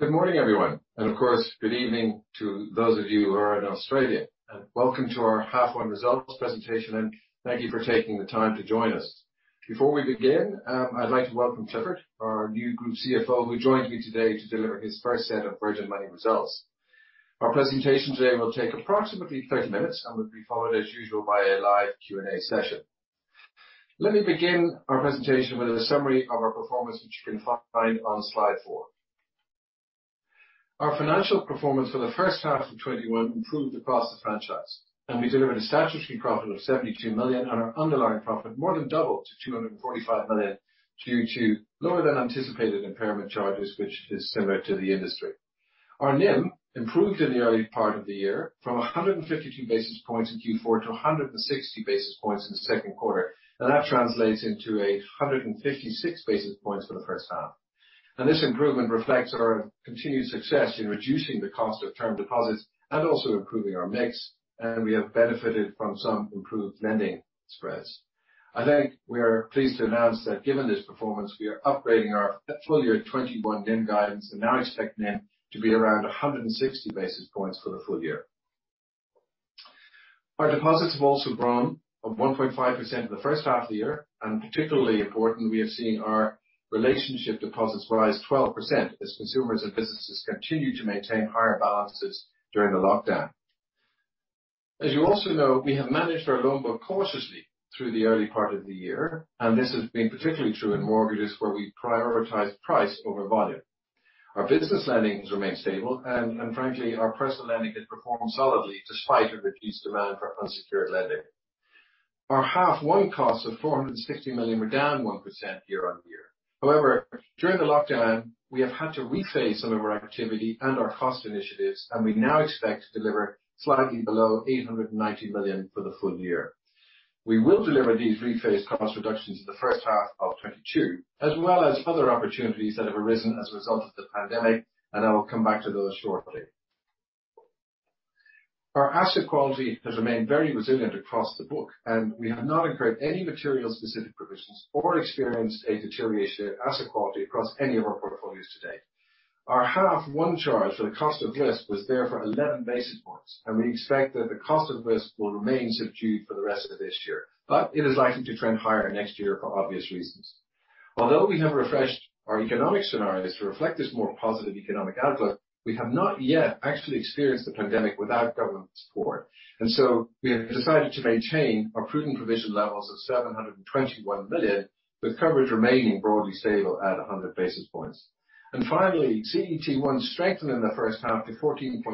Good morning, everyone, and of course, good evening to those of you who are in Australia. Welcome to our half one results presentation, and thank you for taking the time to join us. Before we begin, I'd like to welcome Clifford, our new Group CFO, who joins me today to deliver his first set of Virgin Money results. Our presentation today will take approximately 30 minutes and will be followed, as usual, by a live Q&A session. Let me begin our presentation with a summary of our performance, which you can find on slide four. Our financial performance for the first half of 2021 improved across the franchise, and we delivered a statutory profit of 72 million, and our underlying profit more than doubled to 245 million due to lower than anticipated impairment charges, which is similar to the industry. Our NIM improved in the early part of the year from 152 basis points in Q4 to 160 basis points in the second quarter. That translates into 156 basis points for the first half. This improvement reflects our continued success in reducing the cost of term deposits and also improving our mix, and we have benefited from some improved lending spreads. I think we are pleased to announce that given this performance, we are upgrading our full year 2021 NIM guidance and now expect NIM to be around 160 basis points for the full year. Our deposits have also grown of 1.5% in the first half of the year. Particularly important, we have seen our relationship deposits rise 12% as consumers and businesses continue to maintain higher balances during the lockdown. As you also know, we have managed our loan book cautiously through the early part of the year. This has been particularly true in mortgages where we prioritize price over volume. Our business lendings remain stable. Frankly, our personal lending has performed solidly despite a reduced demand for unsecured lending. Our half one costs of 460 million were down 1% year-on-year. During the lockdown, we have had to rephase some of our activity and our cost initiatives. We now expect to deliver slightly below 890 million for the full year. We will deliver these rephased cost reductions in the first half of 2022 as well as other opportunities that have arisen as a result of the pandemic. I will come back to those shortly. Our asset quality has remained very resilient across the book, and we have not incurred any material specific provisions or experienced a deterioration of asset quality across any of our portfolios to date. Our H1 charge for the cost of risk was therefore 11 basis points, and we expect that the cost of risk will remain subdued for the rest of this year. It is likely to trend higher next year for obvious reasons. Although we have refreshed our economic scenarios to reflect this more positive economic outlook, we have not yet actually experienced the pandemic without government support. We have decided to maintain our prudent provision levels of 721 million, with coverage remaining broadly stable at 100 basis points. Finally, CET1 strengthened in the first half to 14.4%,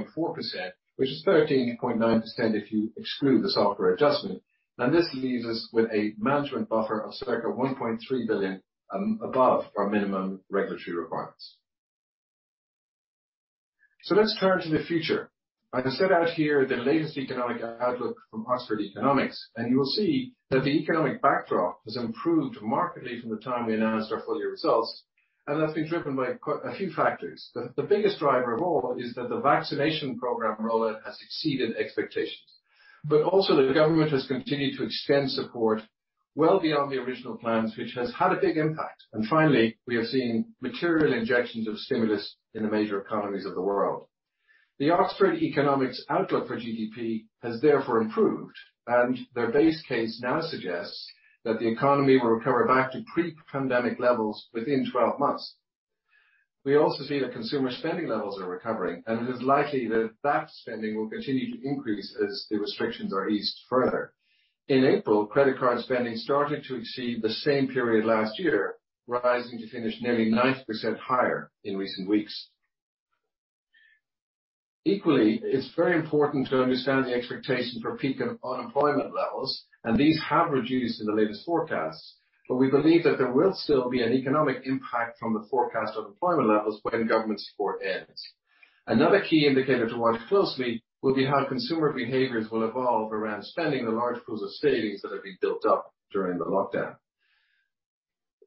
which is 13.9% if you exclude the software adjustment, and this leaves us with a management buffer of circa 1.3 billion above our minimum regulatory requirements. Let's turn to the future. I set out here the latest economic outlook from Oxford Economics. You will see that the economic backdrop has improved markedly from the time we announced our full year results, and that's been driven by quite a few factors. The biggest driver of all is that the vaccination program rollout has exceeded expectations. Also the government has continued to extend support well beyond the original plans, which has had a big impact. Finally, we are seeing material injections of stimulus in the major economies of the world. The Oxford Economics outlook for GDP has therefore improved, and their base case now suggests that the economy will recover back to pre-pandemic levels within 12 months. We also see that consumer spending levels are recovering, and it is likely that spending will continue to increase as the restrictions are eased further. In April, credit card spending started to exceed the same period last year, rising to finish nearly 90% higher in recent weeks. Equally, it's very important to understand the expectation for peak unemployment levels, and these have reduced in the latest forecasts. We believe that there will still be an economic impact from the forecast unemployment levels when government support ends. Another key indicator to watch closely will be how consumer behaviors will evolve around spending the large pools of savings that have been built up during the lockdown.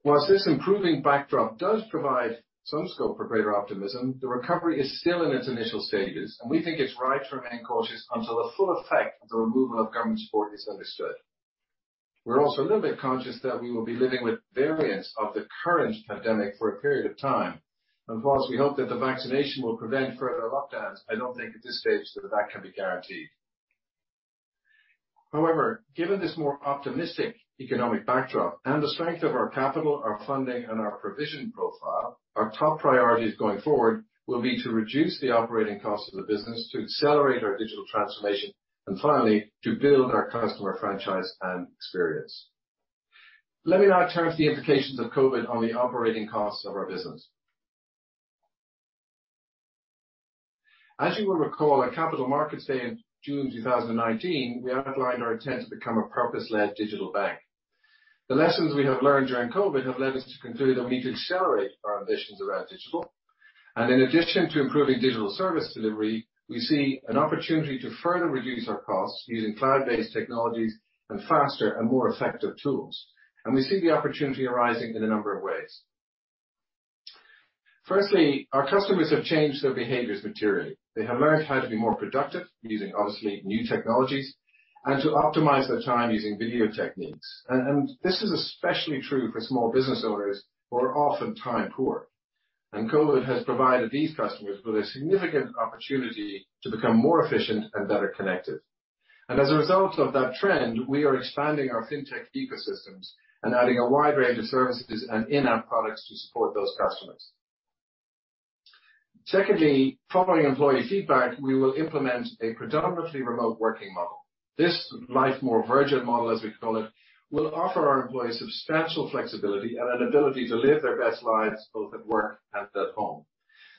Whilst this improving backdrop does provide some scope for greater optimism, the recovery is still in its initial stages, and we think it's right to remain cautious until the full effect of the removal of government support is understood. We're also a little bit conscious that we will be living with variants of the current pandemic for a period of time. Whilst we hope that the vaccination will prevent further lockdowns, I don't think at this stage that that can be guaranteed. However, given this more optimistic economic backdrop and the strength of our capital, our funding, and our provision profile, our top priorities going forward will be to reduce the operating cost of the business, to accelerate our digital transformation, and finally, to build our customer franchise and experience. Let me now turn to the implications of COVID on the operating costs of our business. As you will recall at Capital Markets Day in June 2019, we outlined our intent to become a purpose-led digital bank. The lessons we have learned during COVID have led us to conclude that we need to accelerate our ambitions around digital. In addition to improving digital service delivery, we see an opportunity to further reduce our costs using cloud-based technologies and faster and more effective tools. We see the opportunity arising in a number of ways. Firstly, our customers have changed their behaviors materially. They have learned how to be more productive using obviously new technologies and to optimize their time using video techniques. This is especially true for small business owners who are often time poor. COVID has provided these customers with a significant opportunity to become more efficient and better connected. As a result of that trend, we are expanding our fintech ecosystems and adding a wide range of services and in-app products to support those customers. Secondly, following employee feedback, we will implement a predominantly remote working model. This Life More Virgin model, as we call it, will offer our employees substantial flexibility and an ability to live their best lives both at work and at home.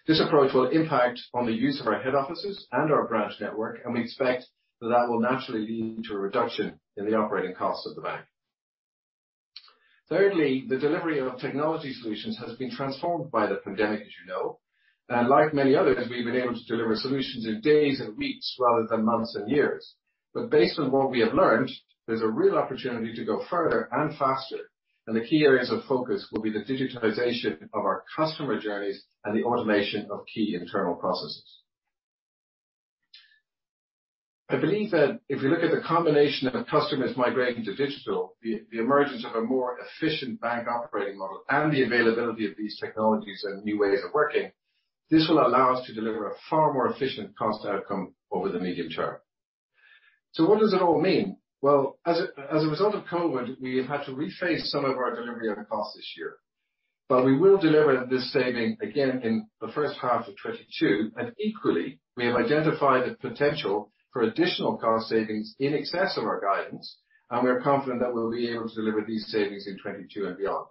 This approach will impact on the use of our head offices and our branch network, and we expect that will naturally lead to a reduction in the operating costs of the bank. Thirdly, the delivery of technology solutions has been transformed by the pandemic, as you know. Like many others, we've been able to deliver solutions in days and weeks rather than months and years. Based on what we have learned, there's a real opportunity to go further and faster, and the key areas of focus will be the digitization of our customer journeys and the automation of key internal processes. I believe that if you look at the combination of customers migrating to digital, the emergence of a more efficient bank operating model, and the availability of these technologies and new ways of working, this will allow us to deliver a far more efficient cost outcome over the medium term. What does it all mean? As a result of COVID, we have had to rephase some of our delivery of costs this year. We will deliver this saving again in the first half of 2022. Equally, we have identified the potential for additional cost savings in excess of our guidance, and we are confident that we'll be able to deliver these savings in 2022 and beyond.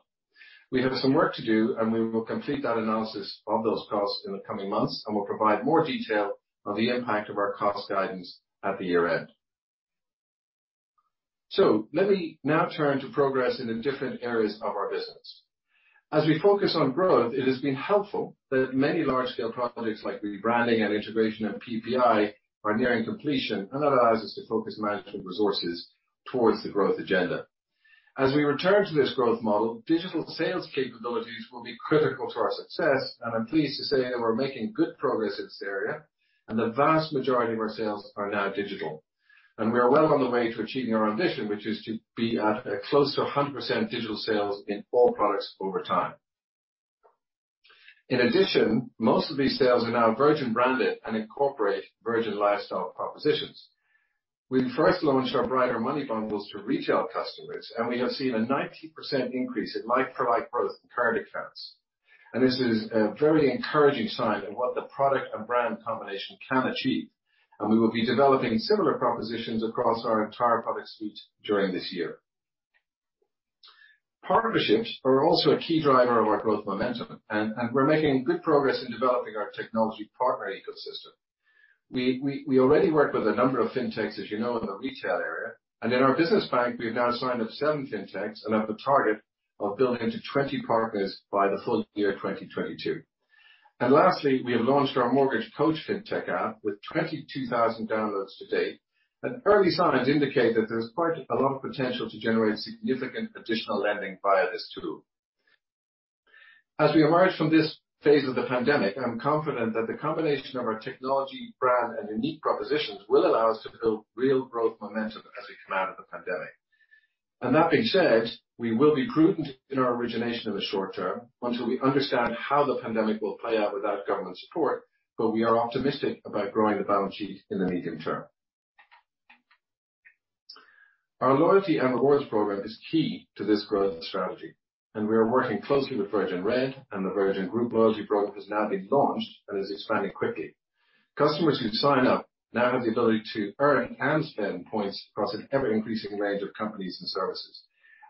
We have some work to do, and we will complete that analysis of those costs in the coming months, and we'll provide more detail on the impact of our cost guidance at the year end. Let me now turn to progress in the different areas of our business. As we focus on growth, it has been helpful that many large-scale projects like rebranding and integration of PPI are nearing completion, and that allows us to focus management resources towards the growth agenda. As we return to this growth model, digital sales capabilities will be critical to our success, and I'm pleased to say that we're making good progress in this area and the vast majority of our sales are now digital. We are well on the way to achieving our ambition, which is to be at close to 100% digital sales in all products over time. In addition, most of these sales are now Virgin branded and incorporate Virgin lifestyle propositions. We first launched our Brighter Money Bundles to retail customers, and we have seen a 19% increase in like-for-like growth in current accounts. This is a very encouraging sign of what the product and brand combination can achieve, and we will be developing similar propositions across our entire product suite during this year. Partnerships are also a key driver of our growth momentum, and we're making good progress in developing our technology partner ecosystem. We already work with a number of fintechs, as you know, in the retail area. In our business bank, we've now signed up seven fintechs and have a target of building up to 20 partners by the full year 2022. Lastly, we have launched our Home Buying Coach fintech app with 22,000 downloads to date. Early signs indicate that there's quite a lot of potential to generate significant additional lending via this tool. As we emerge from this phase of the pandemic, I'm confident that the combination of our technology, brand, and unique propositions will allow us to build real growth momentum as we come out of the pandemic. That being said, we will be prudent in our origination in the short term until we understand how the pandemic will play out without government support, but we are optimistic about growing the balance sheet in the medium term. Our loyalty and rewards program is key to this growth strategy, and we are working closely with Virgin Red and the Virgin Group loyalty program has now been launched and is expanding quickly. Customers who sign up now have the ability to earn and spend points across an ever-increasing range of companies and services.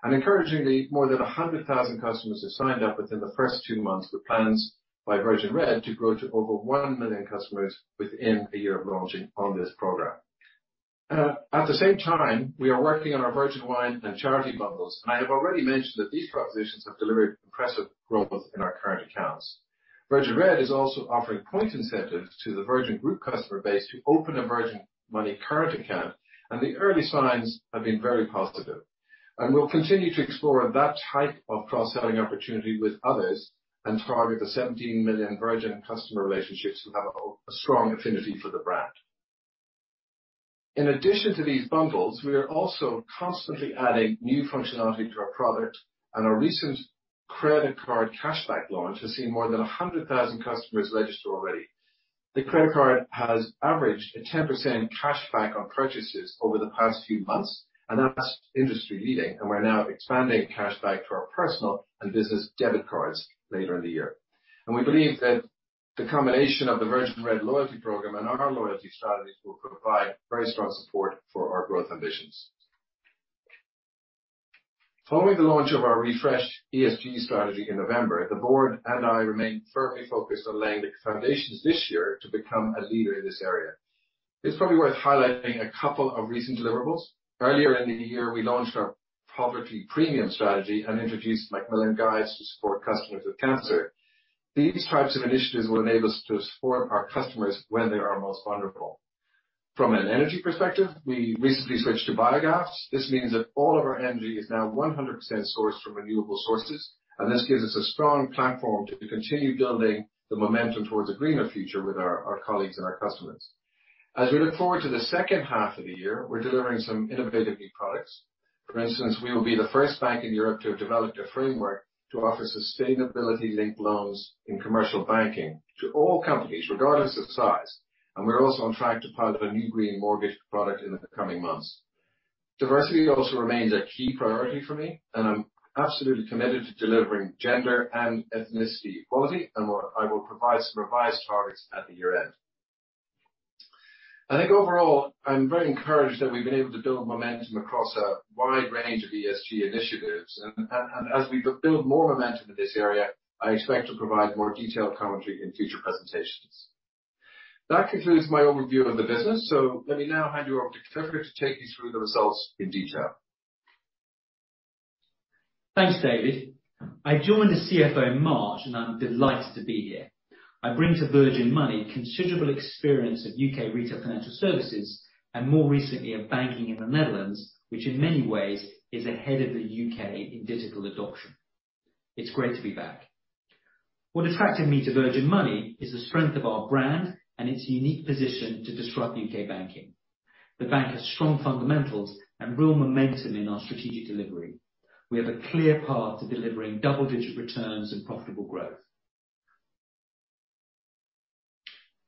Encouragingly, more than 100,000 customers have signed up within the first two months, with plans by Virgin Red to grow to over 1 million customers within a year of launching on this program. At the same time, we are working on our Virgin Wines and Charity bundles, and I have already mentioned that these propositions have delivered impressive growth in our current accounts. Virgin Red is also offering point incentives to the Virgin Group customer base to open a Virgin Money current account, and the early signs have been very positive. We'll continue to explore that type of cross-selling opportunity with others and target the 17 million Virgin customer relationships who have a strong affinity for the brand. In addition to these bundles, we are also constantly adding new functionality to our product, and our recent credit card cashback launch has seen more than 100,000 customers register already. The credit card has averaged a 10% cashback on purchases over the past few months, and that's industry-leading, and we're now expanding cashback to our personal and business debit cards later in the year. We believe that the combination of the Virgin Red loyalty program and our loyalty strategies will provide very strong support for our growth ambitions. Following the launch of our refreshed ESG strategy in November, the board and I remain firmly focused on laying the foundations this year to become a leader in this area. It's probably worth highlighting a couple of recent deliverables. Earlier in the year, we launched our Poverty Premium strategy and introduced Macmillan guides to support customers with cancer. These types of initiatives will enable us to support our customers when they are most vulnerable. From an energy perspective, we recently switched to biogas. This means that all of our energy is now 100% sourced from renewable sources, and this gives us a strong platform to continue building the momentum towards a greener future with our colleagues and our customers. As we look forward to the second half of the year, we're delivering some innovative new products. For instance, we will be the first bank in Europe to have developed a framework to offer Sustainability Linked Loans in commercial banking to all companies, regardless of size. We're also on track to pilot a new green mortgage product in the coming months. Diversity also remains a key priority for me, and I'm absolutely committed to delivering gender and ethnicity equality. What I will provide some revised targets at the year-end. I think overall, I'm very encouraged that we've been able to build momentum across a wide range of ESG initiatives. As we build more momentum in this area, I expect to provide more detailed commentary in future presentations. That concludes my overview of the business. Let me now hand you over to Clifford to take you through the results in detail. Thanks, David. I joined as CFO in March. I'm delighted to be here. I bring to Virgin Money considerable experience of U.K. retail financial services and more recently of banking in the Netherlands, which in many ways is ahead of the U.K. in digital adoption. It's great to be back. What attracted me to Virgin Money is the strength of our brand and its unique position to disrupt U.K. banking. The bank has strong fundamentals and real momentum in our strategic delivery. We have a clear path to delivering double-digit returns and profitable growth.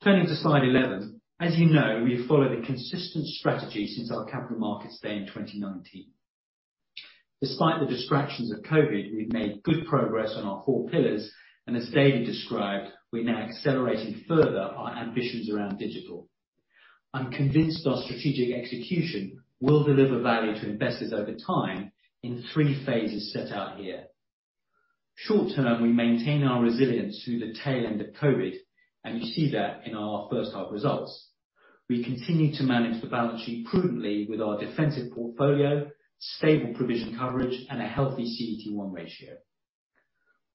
Turning to slide 11. As you know, we have followed a consistent strategy since our Capital Markets Day in 2019. Despite the distractions of COVID, we've made good progress on our four pillars, and as David described, we're now accelerating further our ambitions around digital. I'm convinced our strategic execution will deliver value to investors over time in three phases set out here. Short-term, we maintain our resilience through the tail end of COVID, and you see that in our first half results. We continue to manage the balance sheet prudently with our defensive portfolio, stable provision coverage, and a healthy CET1 ratio.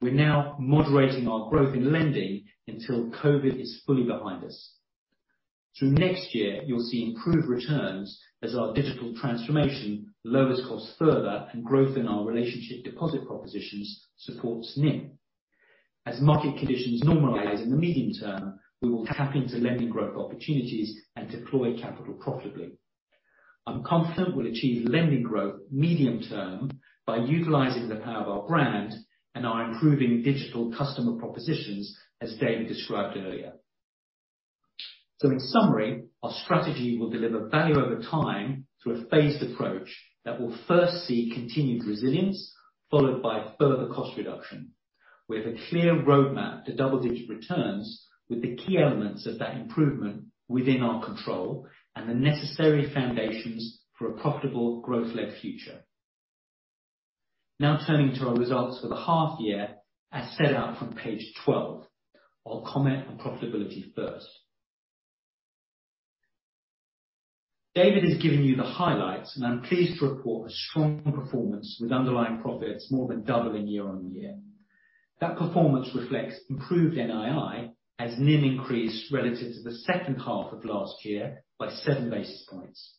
We're now moderating our growth in lending until COVID is fully behind us. Through next year, you'll see improved returns as our digital transformation lowers costs further and growth in our relationship deposit propositions supports NIM. As market conditions normalize in the medium term, we will tap into lending growth opportunities and deploy capital profitably. I'm confident we'll achieve lending growth medium term by utilizing the power of our brand and our improving digital customer propositions, as David described earlier. In summary, our strategy will deliver value over time through a phased approach that will first see continued resilience followed by further cost reduction. We have a clear roadmap to double-digit returns with the key elements of that improvement within our control and the necessary foundations for a profitable growth-led future. Turning to our results for the half year as set out from page 12. I'll comment on profitability first. David has given you the highlights, and I'm pleased to report a strong performance with underlying profits more than doubling year-on-year. That performance reflects improved NII as NIM increased relative to the second half of last year by seven basis points.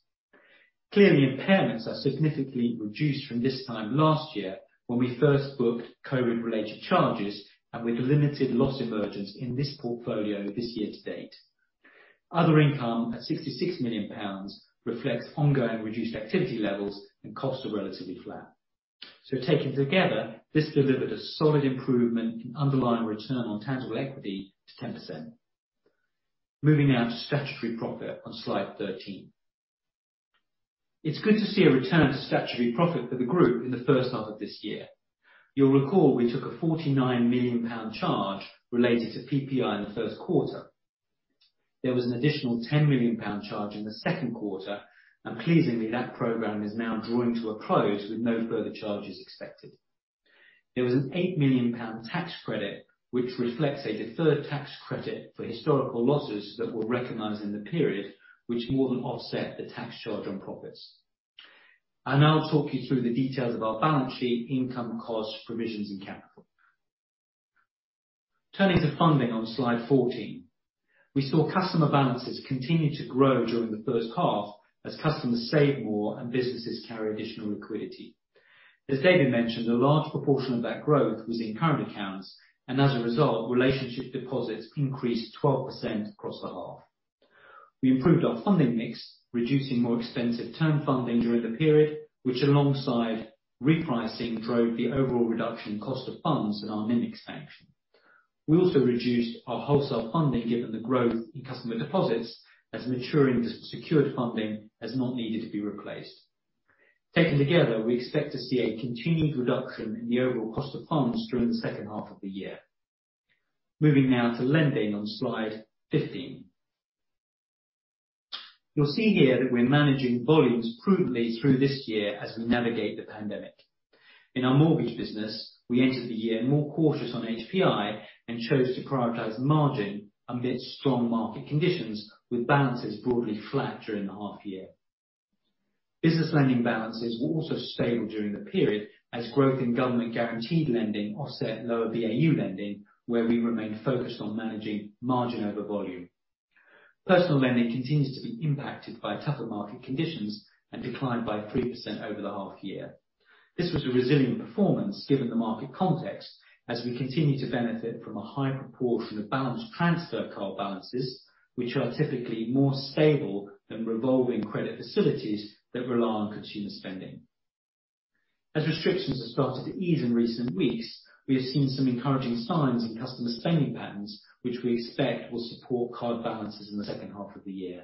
Clearly, impairments are significantly reduced from this time last year when we first booked COVID-related charges, and with limited loss emergence in this portfolio this year-to-date. Other income at 66 million pounds reflects ongoing reduced activity levels and costs are relatively flat. Taken together, this delivered a solid improvement in underlying return on tangible equity to 10%. Moving now to statutory profit on slide 13. It's good to see a return to statutory profit for the group in the first half of this year. You'll recall we took a 49 million pound charge related to PPI in the first quarter. There was an additional 10 million pound charge in the second quarter, and pleasingly, that program is now drawing to a close with no further charges expected. There was a 8 million pound tax credit, which reflects a deferred tax credit for historical losses that were recognized in the period, which more than offset the tax charge on profits. I'll now talk you through the details of our balance sheet, income, costs, provisions, and capital. Turning to funding on slide 14. We saw customer balances continue to grow during the first half as customers save more and businesses carry additional liquidity. As David mentioned, a large proportion of that growth was in current accounts, and as a result, relationship deposits increased 12% across the half. We improved our funding mix, reducing more expensive term funding during the period, which alongside repricing, drove the overall reduction cost of funds in our NIM expansion. We also reduced our wholesale funding given the growth in customer deposits as maturing this secured funding has not needed to be replaced. Taken together, we expect to see a continued reduction in the overall cost of funds during the second half of the year. Moving now to lending on slide 15. You'll see here that we're managing volumes prudently through this year as we navigate the pandemic. In our mortgage business, we entered the year more cautious on HPI and chose to prioritize margin amidst strong market conditions with balances broadly flat during the half year. Business lending balances were also stable during the period as growth in government guaranteed lending offset lower BAU lending, where we remain focused on managing margin over volume. Personal lending continues to be impacted by tougher market conditions and declined by 3% over the half year. This was a resilient performance given the market context as we continue to benefit from a high proportion of balance transfer card balances, which are typically more stable than revolving credit facilities that rely on consumer spending. As restrictions have started to ease in recent weeks, we have seen some encouraging signs in customer spending patterns, which we expect will support card balances in the second half of the year.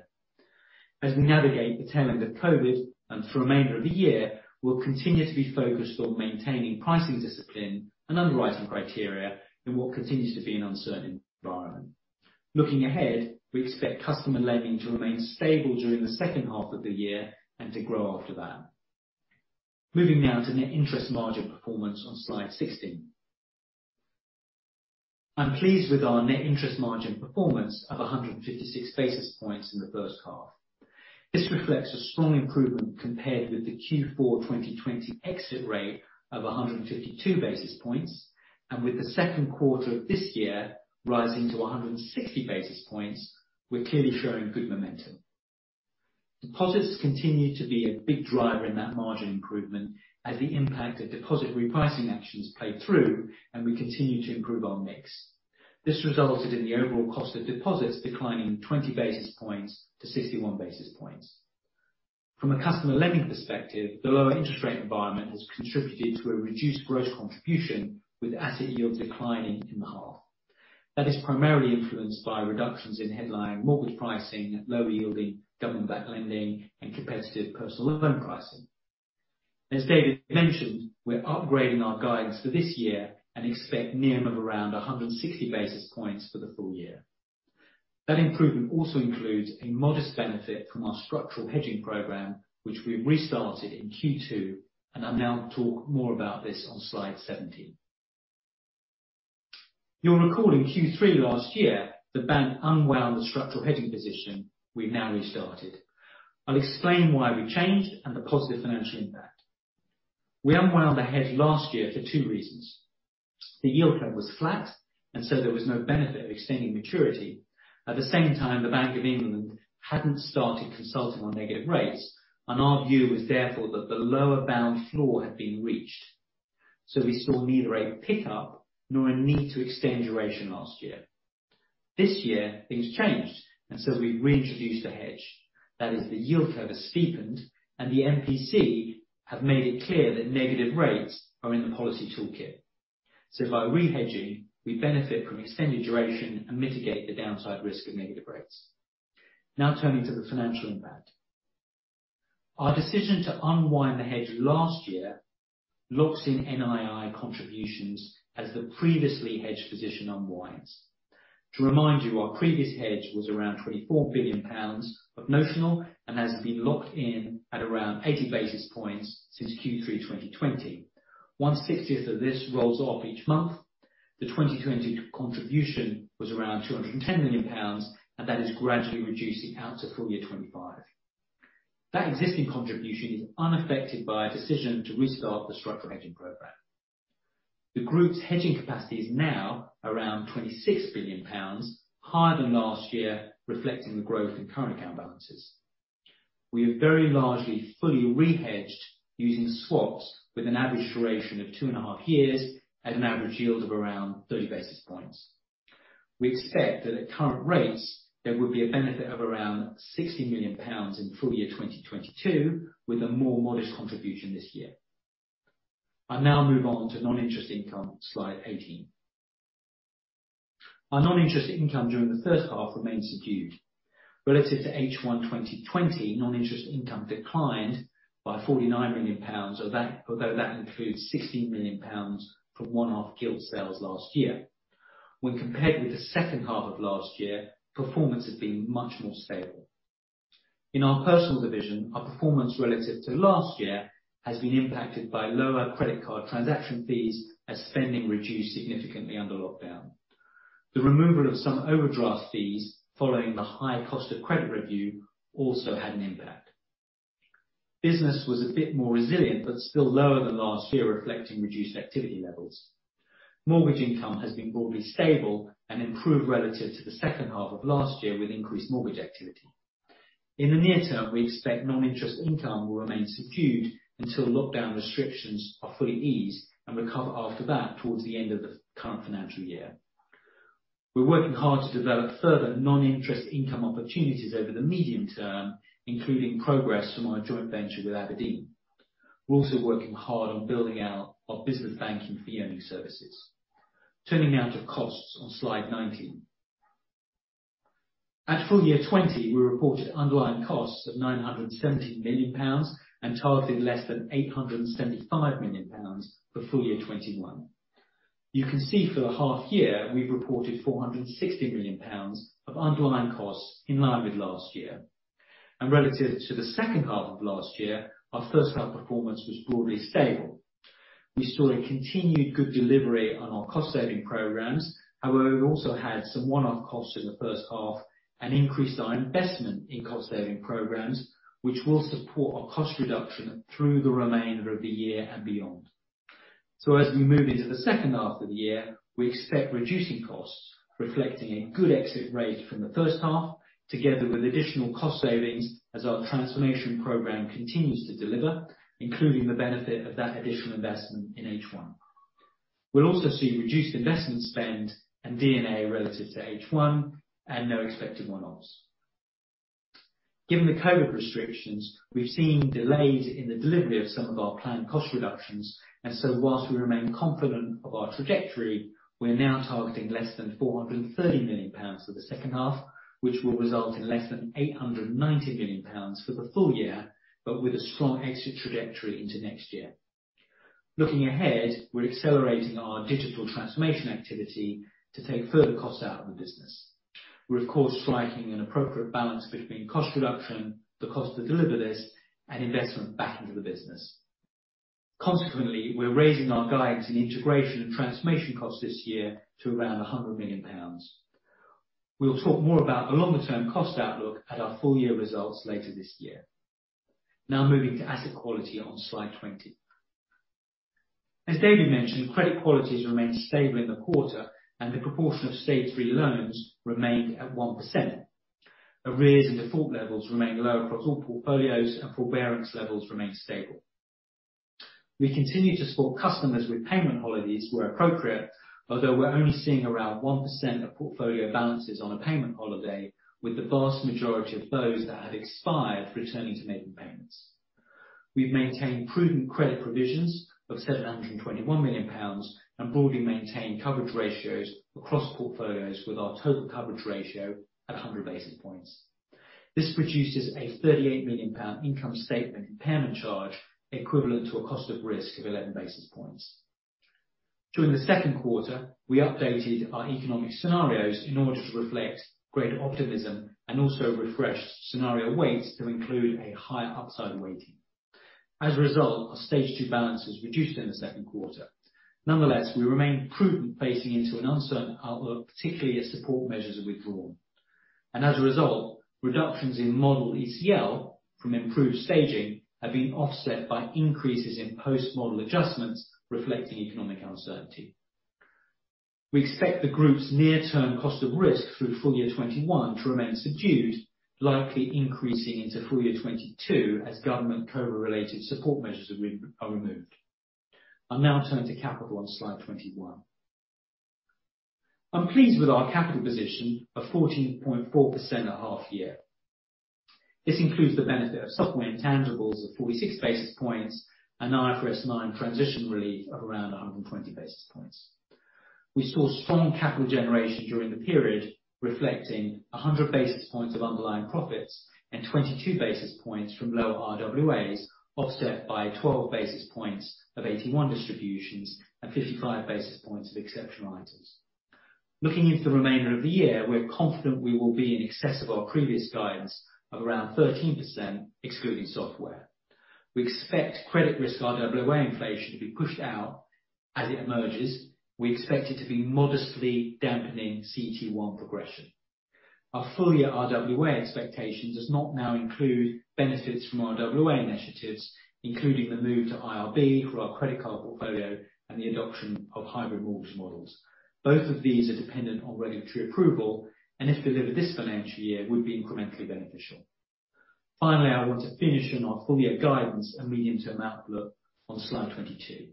As we navigate the tail end of COVID, and for the remainder of the year, we'll continue to be focused on maintaining pricing discipline and underwriting criteria in what continues to be an uncertain environment. Looking ahead, we expect customer lending to remain stable during the second half of the year and to grow after that. Moving now to net interest margin performance on slide 16. I'm pleased with our net interest margin performance of 156 basis points in the first half. This reflects a strong improvement compared with the Q4 2020 exit rate of 152 basis points, and with the second quarter of this year rising to 160 basis points, we're clearly showing good momentum. Deposits continue to be a big driver in that margin improvement as the impact of deposit repricing actions play through and we continue to improve our mix. This resulted in the overall cost of deposits declining 20 basis points-61 basis points. From a customer lending perspective, the lower interest rate environment has contributed to a reduced gross contribution with asset yields declining in the half. That is primarily influenced by reductions in headline mortgage pricing, lower yielding government backed lending, and competitive personal loan pricing. As David mentioned, we're upgrading our guidance for this year and expect NIM of around 160 basis points for the full year. That improvement also includes a modest benefit from our structural hedging program, which we restarted in Q2, and I'll now talk more about this on slide 17. You'll recall in Q3 last year, the bank unwound the structural hedging position we've now restarted. I'll explain why we changed and the positive financial impact. We unwound the hedge last year for two reasons. The yield curve was flat, there was no benefit of extending maturity. At the same time, the Bank of England hadn't started consulting on negative rates. Our view was therefore that the lower bound floor had been reached. We saw neither a pickup nor a need to extend duration last year. This year, things changed, we've reintroduced the hedge. That is, the yield curve has steepened, the MPC have made it clear that negative rates are in the policy toolkit. By rehedging, we benefit from extended duration and mitigate the downside risk of negative rates. Turning to the financial impact. Our decision to unwind the hedge last year locks in NII contributions as the previously hedged position unwinds. To remind you, our previous hedge was around 24 billion pounds of notional and has been locked in at around 80 basis points since Q3 2020. 1/60th of this rolls off each month. The 2020 contribution was around 210 million pounds, and that is gradually reducing out to full year 2025. That existing contribution is unaffected by a decision to restart the structural hedging program. The group's hedging capacity is now around 26 billion pounds, higher than last year, reflecting the growth in current account balances. We are very largely fully rehedged using swaps with an average duration of two and a half years and an average yield of around 30 basis points. We expect that at current rates, there would be a benefit of around 60 million pounds in full year 2022 with a more modest contribution this year. I now move on to non-interest income, slide 18. Our non-interest income during the first half remained subdued. Relative to H1 2020, non-interest income declined by 49 million pounds, although that includes 16 million pounds from one-off gilt sales last year. When compared with the second half of last year, performance has been much more stable. In our personal division, our performance relative to last year has been impacted by lower credit card transaction fees as spending reduced significantly under lockdown. The removal of some overdraft fees following the high-cost credit review also had an impact. Business was a bit more resilient, but still lower than last year, reflecting reduced activity levels. Mortgage income has been broadly stable and improved relative to the second half of last year with increased mortgage activity. In the near term, we expect non-interest income will remain subdued until lockdown restrictions are fully eased and recover after that towards the end of the current financial year. We're working hard to develop further non-interest income opportunities over the medium term, including progress from our joint venture with Aberdeen. We're also working hard on building out our business banking fee earning services. Turning now to costs on slide 19. At full year 2020, we reported underlying costs of 970 million pounds. Targeting less than 875 million pounds for full year 2021. You can see for the half year, we've reported 460 million pounds of underlying costs in line with last year. Relative to the second half of last year, our first half performance was broadly stable. We saw a continued good delivery on our cost saving programs. We've also had some one-off costs in the first half and increased our investment in cost saving programs, which will support our cost reduction through the remainder of the year and beyond. As we move into the second half of the year, we expect reducing costs, reflecting a good exit rate from the first half, together with additional cost savings as our transformation program continues to deliver, including the benefit of that additional investment in H1. We'll also see reduced investment spend and D&A relative to H1, and no expected one-offs. Given the COVID restrictions, we've seen delays in the delivery of some of our planned cost reductions, whilst we remain confident of our trajectory, we're now targeting less than 430 million pounds for the second half, which will result in less than 890 million pounds for the full year, with a strong exit trajectory into next year. Looking ahead, we're accelerating our digital transformation activity to take further costs out of the business. We're of course striking an appropriate balance between cost reduction, the cost to deliver this, and investment back into the business. We're raising our guidance in integration and transformation costs this year to around 100 million pounds. We'll talk more about the longer term cost outlook at our full year results later this year. Moving to asset quality on slide 20. As David mentioned, credit qualities remained stable in the quarter, and the proportion of stage three loans remained at 1%. Arrears and default levels remain low across all portfolios, and forbearance levels remain stable. We continue to support customers with payment holidays where appropriate, although we're only seeing around 1% of portfolio balances on a payment holiday, with the vast majority of those that have expired returning to making payments. We've maintained prudent credit provisions of 721 million pounds and broadly maintained coverage ratios across portfolios, with our total coverage ratio at 100 basis points. This produces a 38 million pound income statement impairment charge, equivalent to a cost of risk of 11 basis points. During the second quarter, we updated our economic scenarios in order to reflect greater optimism and also refreshed scenario weights to include a higher upside weighting. As a result, our stage two balance has reduced in the second quarter. Nonetheless, we remain prudent facing into an uncertain outlook, particularly as support measures are withdrawn, and as a result, reductions in model ECL from improved staging have been offset by increases in post-model adjustments reflecting economic uncertainty. We expect the group's near-term cost of risk through full year 2021 to remain subdued, likely increasing into full year 2022 as government COVID related support measures are removed. I'll now turn to capital on slide 21. I'm pleased with our capital position of 14.4% at half year. This includes the benefit of software intangibles of 46 basis points and IFRS 9 transition relief of around 120 basis points. We saw strong capital generation during the period, reflecting 100 basis points of underlying profits and 22 basis points from lower RWAs, offset by 12 basis points of AT1 distributions and 55 basis points of exceptional items. Looking into the remainder of the year, we're confident we will be in excess of our previous guidance of around 13%, excluding software. We expect credit risk RWA inflation to be pushed out. As it emerges, we expect it to be modestly dampening CET1 progression. Our full year RWA expectation does not now include benefits from RWA initiatives, including the move to IRB for our credit card portfolio and the adoption of hybrid mortgage models. Both of these are dependent on regulatory approval, and if delivered this financial year, would be incrementally beneficial. I want to finish on our full year guidance and medium term outlook on slide 22.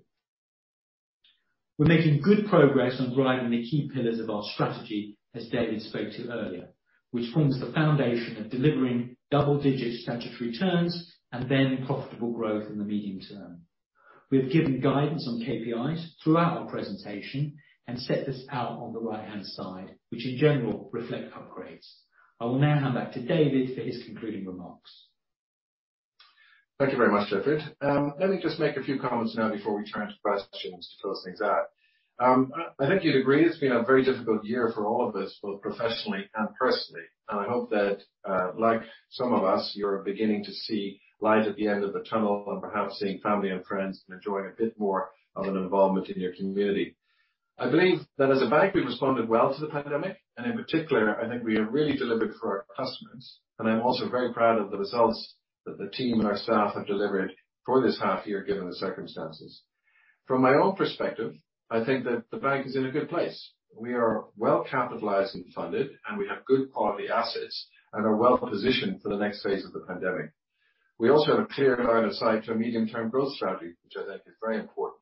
We're making good progress on driving the key pillars of our strategy, as David spoke to earlier, which forms the foundation of delivering double-digit statutory returns and then profitable growth in the medium term. We have given guidance on KPIs throughout our presentation and set this out on the right-hand side, which in general reflect upgrades. I will now hand back to David for his concluding remarks. Thank you very much, Clifford. Let me just make a few comments now before we turn to questions to close things out. I think you'd agree it's been a very difficult year for all of us, both professionally and personally. I hope that, like some of us, you're beginning to see light at the end of the tunnel and perhaps seeing family and friends and enjoying a bit more of an involvement in your community. I believe that as a bank, we've responded well to the pandemic, and in particular, I think we have really delivered for our customers, and I'm also very proud of the results that the team and our staff have delivered for this half year, given the circumstances. From my own perspective, I think that the bank is in a good place. We are well capitalized and funded, and we have good quality assets and are well positioned for the next phase of the pandemic. We also have a clear line of sight to a medium-term growth strategy, which I think is very important.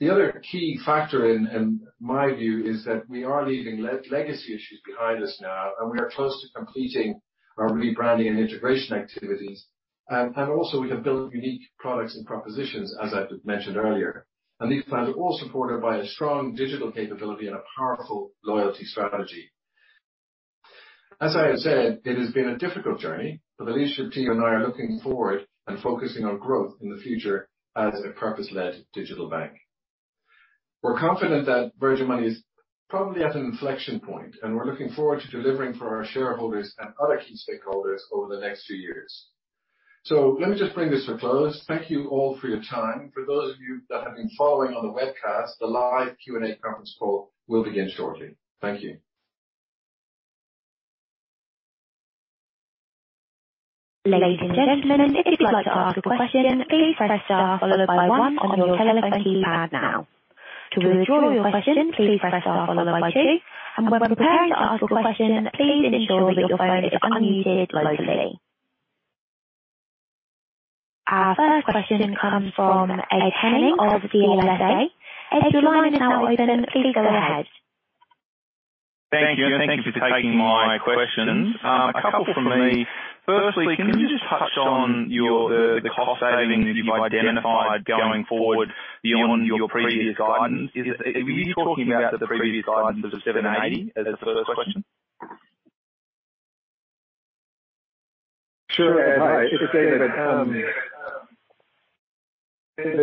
The other key factor in my view is that we are leaving legacy issues behind us now and we are close to completing our rebranding and integration activities. Also we have built unique products and propositions, as I mentioned earlier. These plans are all supported by a strong digital capability and a powerful loyalty strategy. As I have said, it has been a difficult journey, but the leadership team and I are looking forward and focusing on growth in the future as a purpose-led digital bank. We're confident that Virgin Money is probably at an inflection point, and we're looking forward to delivering for our shareholders and other key stakeholders over the next few years. Let me just bring this to a close. Thank you all for your time. For those of you that have been following on the webcast, the live Q&A conference call will begin shortly. Thank you. Ladies and gentlemen if you would wish to ask a question please press star followed by one on our telephone keypad now. To withdraw your question please press star followed by two. Our first question comes from Ed Henning of CLSA. Ed, your line is now open. Please go ahead. Thank you. Thank you for taking my questions. A couple from me. Firstly, can you just touch on the cost savings you've identified going forward beyond your previous guidance? Are you talking about the previous guidance of 780 as a first question? Sure. I should say that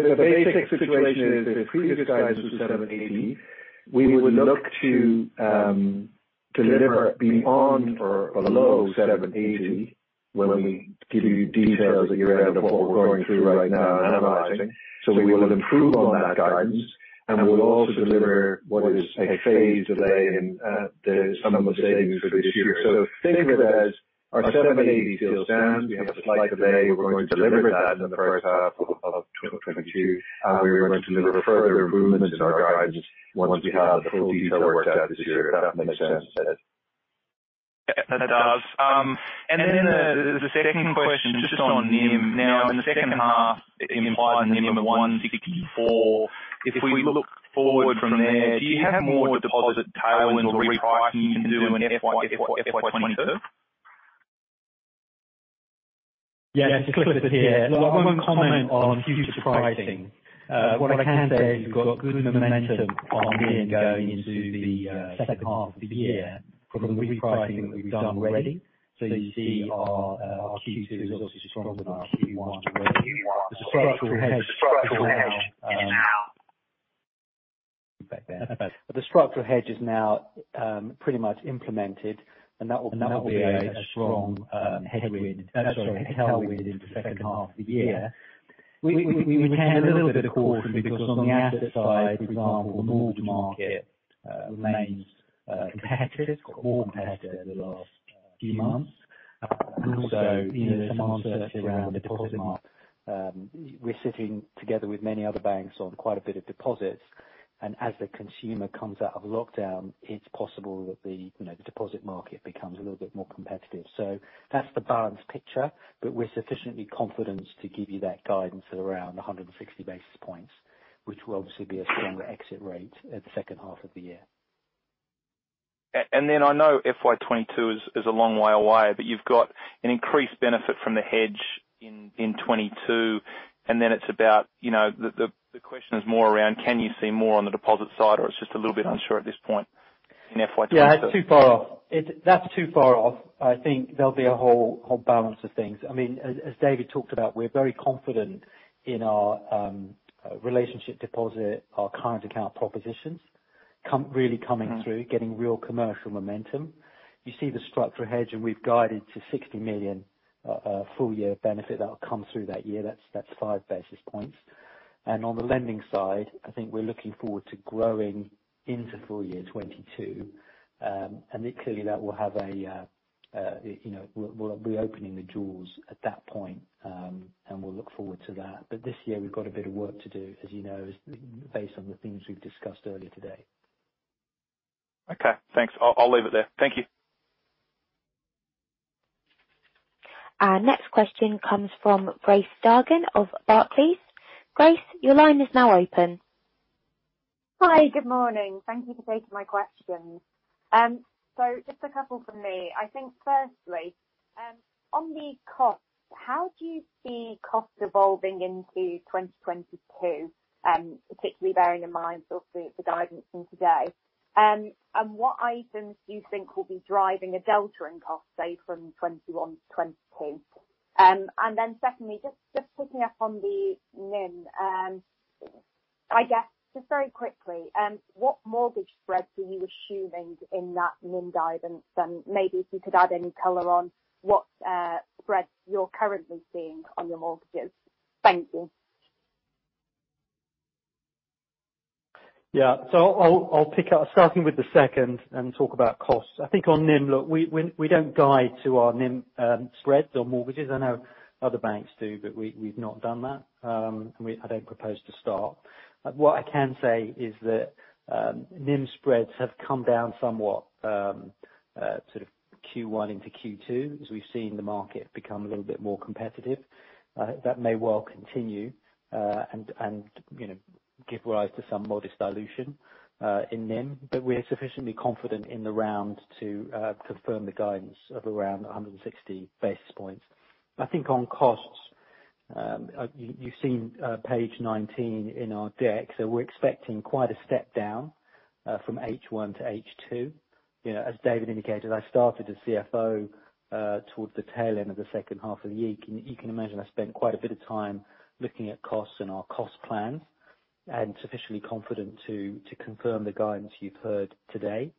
the basic situation is the previous guidance was 780. We would look to deliver beyond or below 780 when we give you details at year-end of what we're going through right now and analyzing. We will improve on that guidance, and we'll also deliver what is a phased delay in some of those savings for this year. Think of it as our 780 still stands. We have a slight delay. We're going to deliver that in the first half of 2022. We're going to deliver further improvements in our guidance once we have the full detail worked out this year. Does that make sense, Ed? Yeah, that does. Then the second question, just on NIM. Now, in the second half, the implied NIM of 164 basis points. If we look forward from there, do you have more deposit tailwinds or repricing you can do in FY 2022? Yeah. It's Clifford here. Look, I won't comment on future pricing. What I can say is we've got good momentum on NIM going into the second half of the year from the repricing that we've done already. You see our Q2 is obviously stronger than our Q1. The structural hedge is now pretty much implemented, that will no longer be a strong headwind. Sorry, a tailwind into second half of the year. We would carry a little bit of caution because on the asset side, for example, the mortgage market remains competitive. It's got more competitive the last few months. Also demand certainly around deposit market. We're sitting together with many other banks on quite a bit of deposits, as the consumer comes out of lockdown, it's possible that the deposit market becomes a little bit more competitive. That's the balanced picture, but we're sufficiently confident to give you that guidance at around 160 basis points, which will obviously be a stronger exit rate at the second half of the year. I know FY 2022 is a long while away, but you've got an increased benefit from the hedge in 2022, and then the question is more around can you see more on the deposit side or it's just a little bit unsure at this point in FY 2022? Yeah, that's too far off. I think there'll be a whole balance of things. David talked about, we're very confident in our relationship deposit, our current account propositions really coming through, getting real commercial momentum. You see the structural hedge, we've guided to 60 million full year benefit that will come through that year. That's five basis points. On the lending side, I think we're looking forward to growing into full year 2022. Clearly that we'll be opening the deals at that point, and we'll look forward to that. This year we've got a bit of work to do, as you know, based on the things we've discussed earlier today. Okay, thanks. I'll leave it there. Thank you. Our next question comes from Grace Dargan of Barclays. Grace, your line is now open. Hi. Good morning. Thank you for taking my questions. Just a couple from me. I think firstly, on the costs, how do you see costs evolving into 2022, particularly bearing in mind sort of the guidance from today? What items do you think will be driving a delta in cost, say from 2021 to 2022? Secondly, just picking up on the NIM. I guess, just very quickly, what mortgage spreads are you assuming in that NIM guidance? Maybe if you could add any color on what spreads you're currently seeing on your mortgages. Thank you. Yeah. I'll pick up starting with the second and talk about costs. I think on NIM, look, we don't guide to our NIM spreads or mortgages. I know other banks do, we've not done that. I don't propose to start. What I can say is that NIM spreads have come down somewhat sort of Q1 into Q2, as we've seen the market become a little bit more competitive. That may well continue, and give rise to some modest dilution in NIM, but we're sufficiently confident in the round to confirm the guidance of around 160 basis points. I think on costs, you've seen page 19 in our deck. We're expecting quite a step down from H1 to H2. As David indicated, I started as CFO towards the tail end of the second half of the year. You can imagine I spent quite a bit of time looking at costs and our cost plans and sufficiently confident to confirm the guidance you've heard today,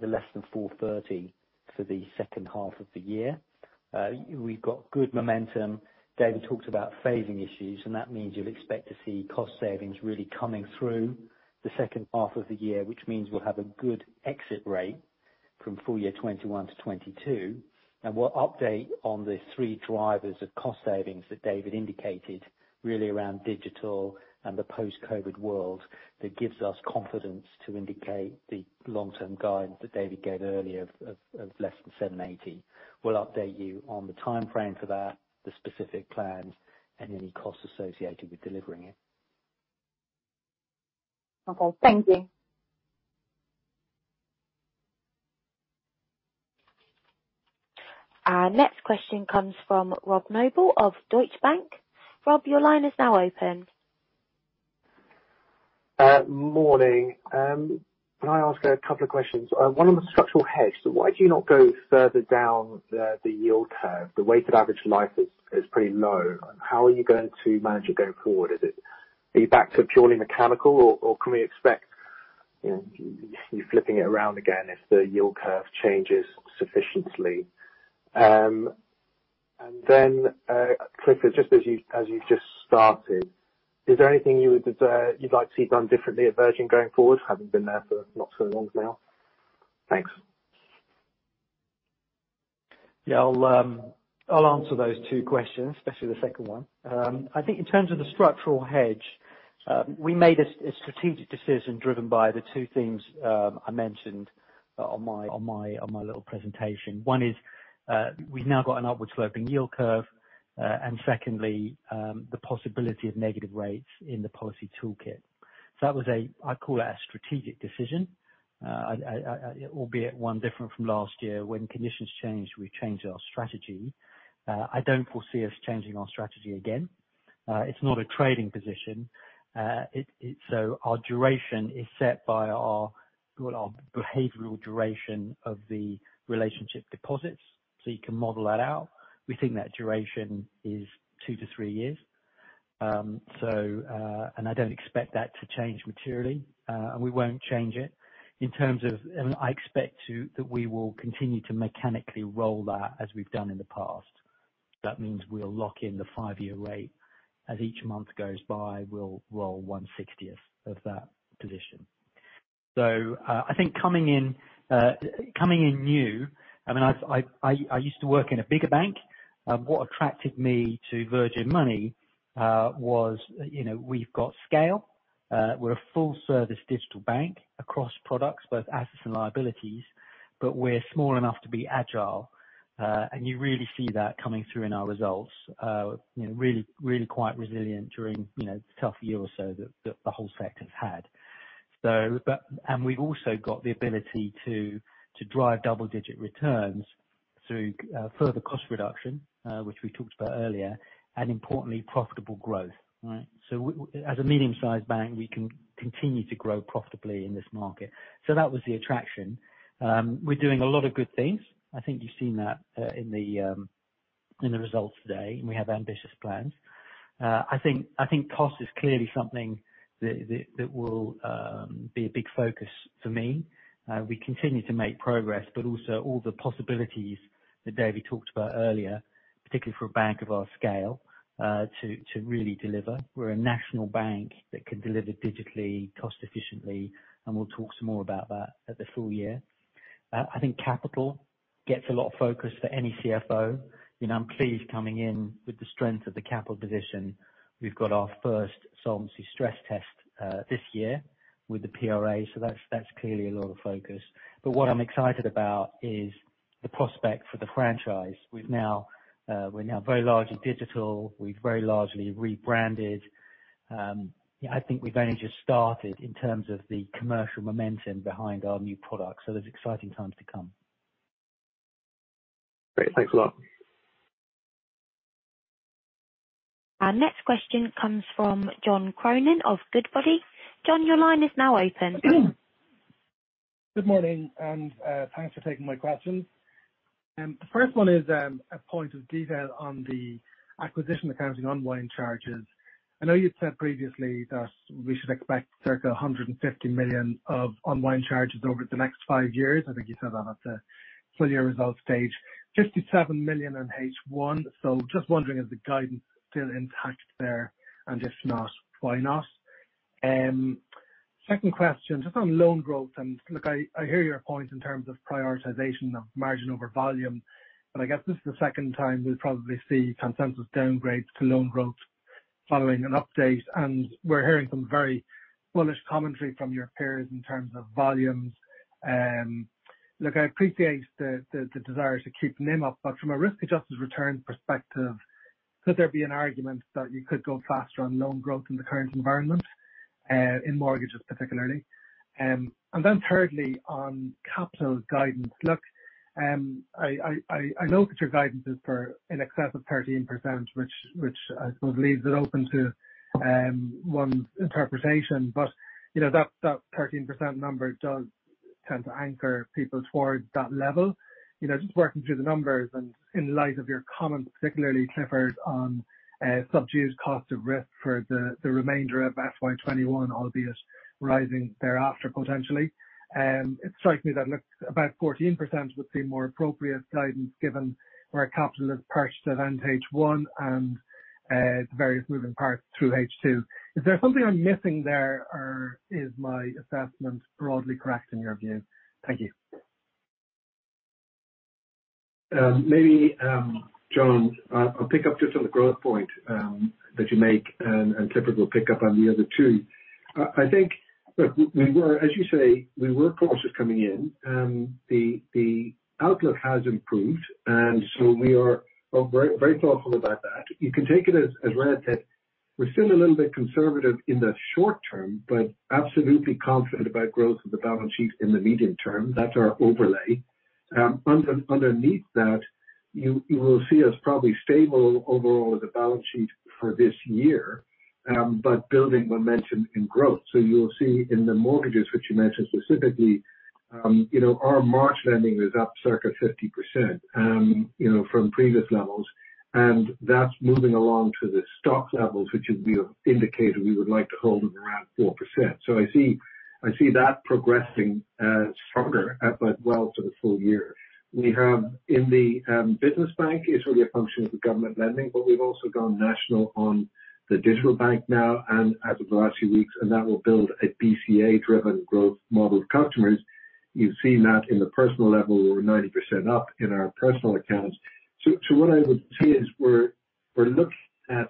the less than 430 for the second half of the year. We've got good momentum. David talked about phasing issues, that means you'd expect to see cost savings really coming through the second half of the year, which means we'll have a good exit rate from full year 2021-2022. We'll update on the three drivers of cost savings that David indicated, really around digital and the post-COVID world that gives us confidence to indicate the long-term guide that David gave earlier of less than 780. We'll update you on the timeframe for that, the specific plans, and any costs associated with delivering it. Okay. Thank you. Our next question comes from Rob Noble of Deutsche Bank. Rob, your line is now open. Morning. Can I ask a couple of questions? One on the structural hedge, why do you not go further down the yield curve? The weighted average life is pretty low. How are you going to manage it going forward? Are you back to purely mechanical, or can we expect you flipping it around again if the yield curve changes sufficiently? Clifford, just as you've just started, is there anything you'd like to see done differently at Virgin going forward, having been there for not so long now? Thanks. Yeah. I'll answer those two questions, especially the second one. I think in terms of the structural hedge, we made a strategic decision driven by the two things I mentioned on my little presentation. One is, we've now got an upward-sloping yield curve. Secondly, the possibility of negative rates in the policy toolkit. That was a, I call it a strategic decision. Albeit one different from last year. When conditions change, we change our strategy. I don't foresee us changing our strategy again. It's not a trading position. Our duration is set by our behavioral duration of the relationship deposits. You can model that out. We think that duration is two to three years. I don't expect that to change materially. We won't change it. I expect that we will continue to mechanically roll that as we've done in the past. That means we'll lock in the five-year rate. As each month goes by, we'll roll 1/60th of that position. I think coming in new, I used to work in a bigger bank. What attracted me to Virgin Money was we've got scale. We're a full-service digital bank across products, both assets and liabilities, but we're small enough to be agile. You really see that coming through in our results. Really quite resilient during the tough year or so that the whole sector has had. We've also got the ability to drive double-digit returns through further cost reduction, which we talked about earlier, and importantly, profitable growth. Right. As a medium-sized bank, we can continue to grow profitably in this market. That was the attraction. We're doing a lot of good things. I think you've seen that in the results today, and we have ambitious plans. I think cost is clearly something that will be a big focus for me. We continue to make progress, but also all the possibilities that David talked about earlier, particularly for a bank of our scale, to really deliver. We're a national bank that can deliver digitally, cost efficiently, and we'll talk some more about that at the full year. I think capital gets a lot of focus for any CFO. I'm pleased coming in with the strength of the capital position. We've got our first solvency stress test this year with the PRA, so that's clearly a lot of focus. What I'm excited about is the prospect for the franchise. We're now very largely digital. We've very largely rebranded. I think we've only just started in terms of the commercial momentum behind our new product. There's exciting times to come. Great. Thanks a lot. Our next question comes from John Cronin of Goodbody. John, your line is now open. Good morning. Thanks for taking my questions. The first one is a point of detail on the acquisition accounting unwind charges. I know you'd said previously that we should expect circa 150 million of unwind charges over the next five years. I think you said that at the full year results stage. 57 million in H1. Just wondering, is the guidance still intact there? If not, why not? Second question, just on loan growth. Look, I hear your point in terms of prioritization of margin over volume, but I guess this is the second time we'll probably see consensus downgrades to loan growth following an update. We're hearing some very bullish commentary from your peers in terms of volumes. Look, I appreciate the desire to keep NIM up. From a risk-adjusted return perspective, could there be an argument that you could go faster on loan growth in the current environment, in mortgages particularly? Then thirdly, on capital guidance. Look, I know that your guidance is for in excess of 13%, which I suppose leaves it open to one interpretation. That 13% number does tend to anchor people towards that level. Just working through the numbers and in light of your comments, particularly Clifford, on subdued cost of risk for the remainder of FY 2021, albeit rising thereafter potentially. It strikes me that, look, about 14% would seem more appropriate guidance given where capital is perched at end H1 and the various moving parts through H2. Is there something I'm missing there or is my assessment broadly correct in your view? Thank you. Maybe, John, I'll pick up just on the growth point that you make, and Clifford will pick up on the other two. I think, as you say, we were cautious coming in. The outlook has improved, and so we are very thoughtful about that. You can take it as read that we're still a little bit conservative in the short term, but absolutely confident about growth of the balance sheet in the medium term. That's our overlay. Underneath that, you will see us probably stable overall as a balance sheet for this year. Building momentum in growth. You'll see in the mortgages, which you mentioned specifically, our March lending is up circa 50% from previous levels. That's moving along to the stock levels, which is we have indicated we would like to hold at around 4%. I see that progressing stronger as well for the full year. We have in the Business Bank is really a function of the government lending, but we've also gone national on the Digital Bank now and as of the last few weeks, and that will build a BCA-driven growth model of customers. You've seen that in the personal level. We're 90% up in our personal accounts. What I would say is we're looking at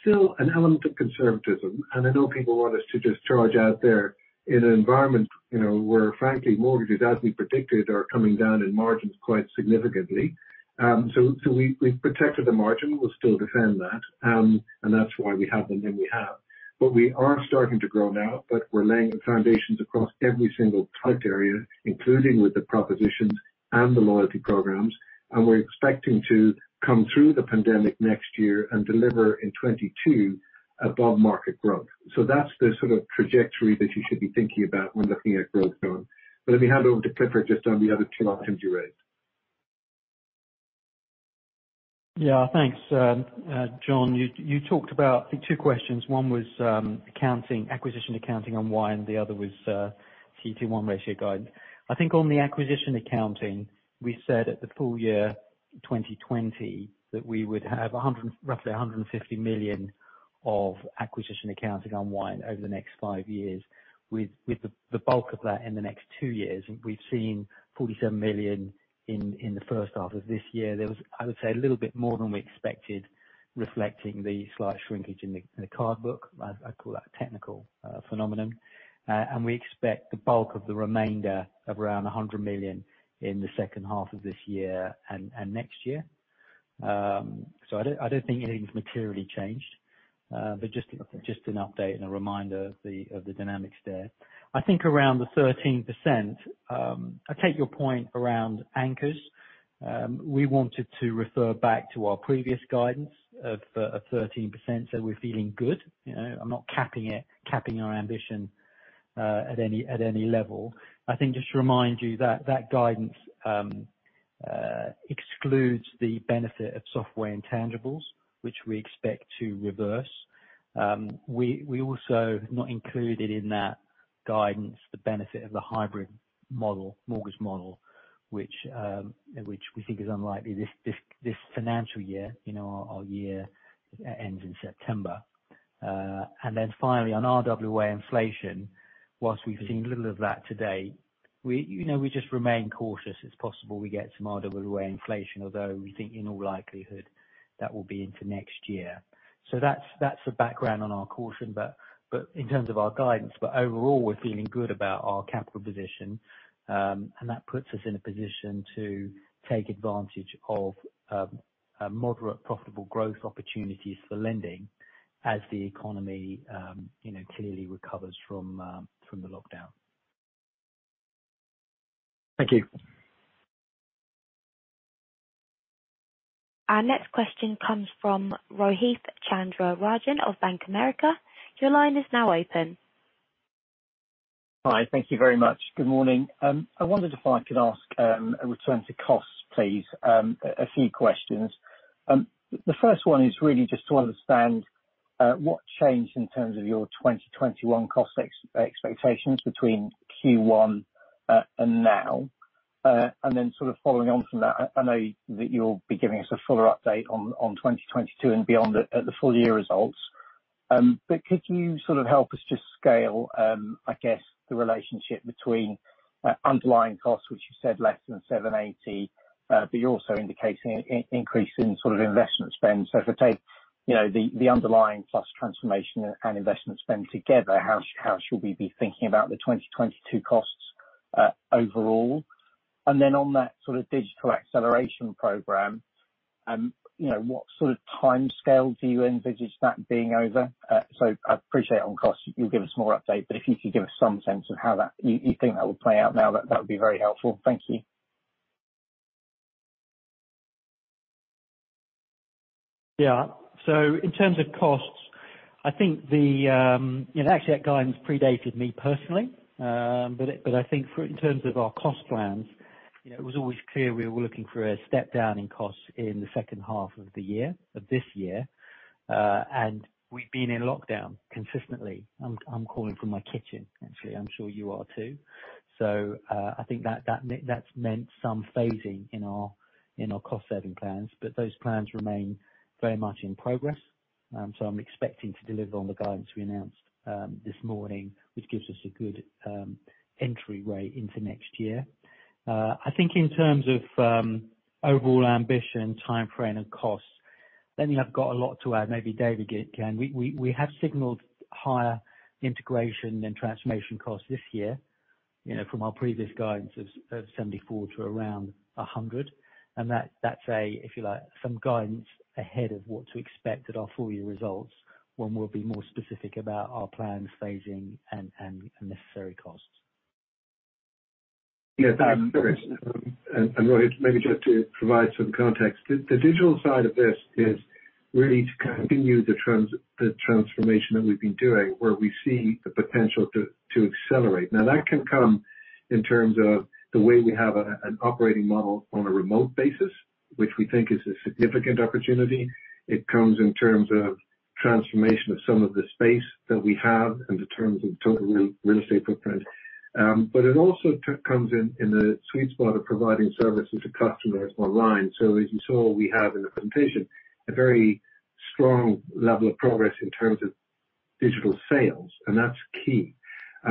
still an element of conservatism, and I know people want us to just charge out there in an environment where frankly, mortgages, as we predicted, are coming down in margins quite significantly. We've protected the margin. We'll still defend that. That's why we have them, and we have. We are starting to grow now, but we're laying the foundations across every single product area, including with the propositions and the loyalty programs. We're expecting to come through the pandemic next year and deliver in 2022 above-market growth. That's the sort of trajectory that you should be thinking about when looking at growth going. Let me hand over to Clifford just on the other two items you raised. Yeah. Thanks, John. You talked about, I think two questions. One was acquisition accounting on one, the other was CET1 ratio guidance. I think on the acquisition accounting, we said at the full year 2020 that we would have roughly 150 million of acquisition accounting on one over the next five years. With the bulk of that in the next two years. We've seen 47 million in the first half of this year. There was, I would say, a little bit more than we expected, reflecting the slight shrinkage in the card book. I call that a technical phenomenon. We expect the bulk of the remainder of around 100 million in the second half of this year and next year. I don't think anything's materially changed. Just an update and a reminder of the dynamics there. I think around the 13%, I take your point around anchors. We wanted to refer back to our previous guidance of 13%, so we're feeling good. I'm not capping our ambition at any level. I think just to remind you that that guidance excludes the benefit of software intangibles, which we expect to reverse. We also have not included in that guidance the benefit of the hybrid model, mortgage model, which we think is unlikely this financial year. Our year ends in September. Then finally on RWA inflation, whilst we've seen little of that today, we just remain cautious. It's possible we get some RWA inflation, although we think in all likelihood that will be into next year. That's the background on our caution. In terms of our guidance. Overall, we're feeling good about our capital position. That puts us in a position to take advantage of moderate profitable growth opportunities for lending as the economy clearly recovers from the lockdown. Thank you. Our next question comes from Rohith Chandra-Rajan of Bank of America. Your line is now open. Hi. Thank you very much. Good morning. I wondered if I could ask a return to costs, please. A few questions. The first one is really just to understand what changed in terms of your 2021 cost expectations between Q1 and now. Sort of following on from that, I know that you'll be giving us a fuller update on 2022 and beyond at the full year results. Could you sort of help us just scale, I guess the relationship between underlying costs, which you said less than 780, but you're also indicating an increase in sort of investment spend. If I take the underlying plus transformation and investment spend together, how should we be thinking about the 2022 costs overall? On that sort of digital acceleration program, what sort of timescale do you envisage that being over? I appreciate on cost you'll give us more update, but if you could give us some sense of how that you think that will play out now, that would be very helpful. Thank you. In terms of costs, I think actually that guidance predated me personally. I think in terms of our cost plans, it was always clear we were looking for a step down in costs in the second half of the year, of this year. We've been in lockdown consistently. I'm calling from my kitchen, actually. I'm sure you are too. I think that's meant some phasing in our cost saving plans. Those plans remain very much in progress. I'm expecting to deliver on the guidance we announced this morning, which gives us a good entry way into next year. I think in terms of overall ambition, timeframe, and costs, then I've got a lot to add, maybe David can. We have signaled higher integration than transformation costs this year, from our previous guidance of 74 million to around 100 million. That's, if you like, some guidance ahead of what to expect at our full year results when we'll be more specific about our plans, phasing, and necessary costs. Yes. Rohith, maybe just to provide some context. The digital side of this is really to continue the transformation that we've been doing, where we see the potential to accelerate. That can come in terms of the way we have an operating model on a remote basis, which we think is a significant opportunity. It comes in terms of transformation of some of the space that we have in the terms of total real estate footprint. It also comes in the sweet spot of providing services to customers online. As you saw, we have in the presentation, a very strong level of progress in terms of digital sales, and that's key.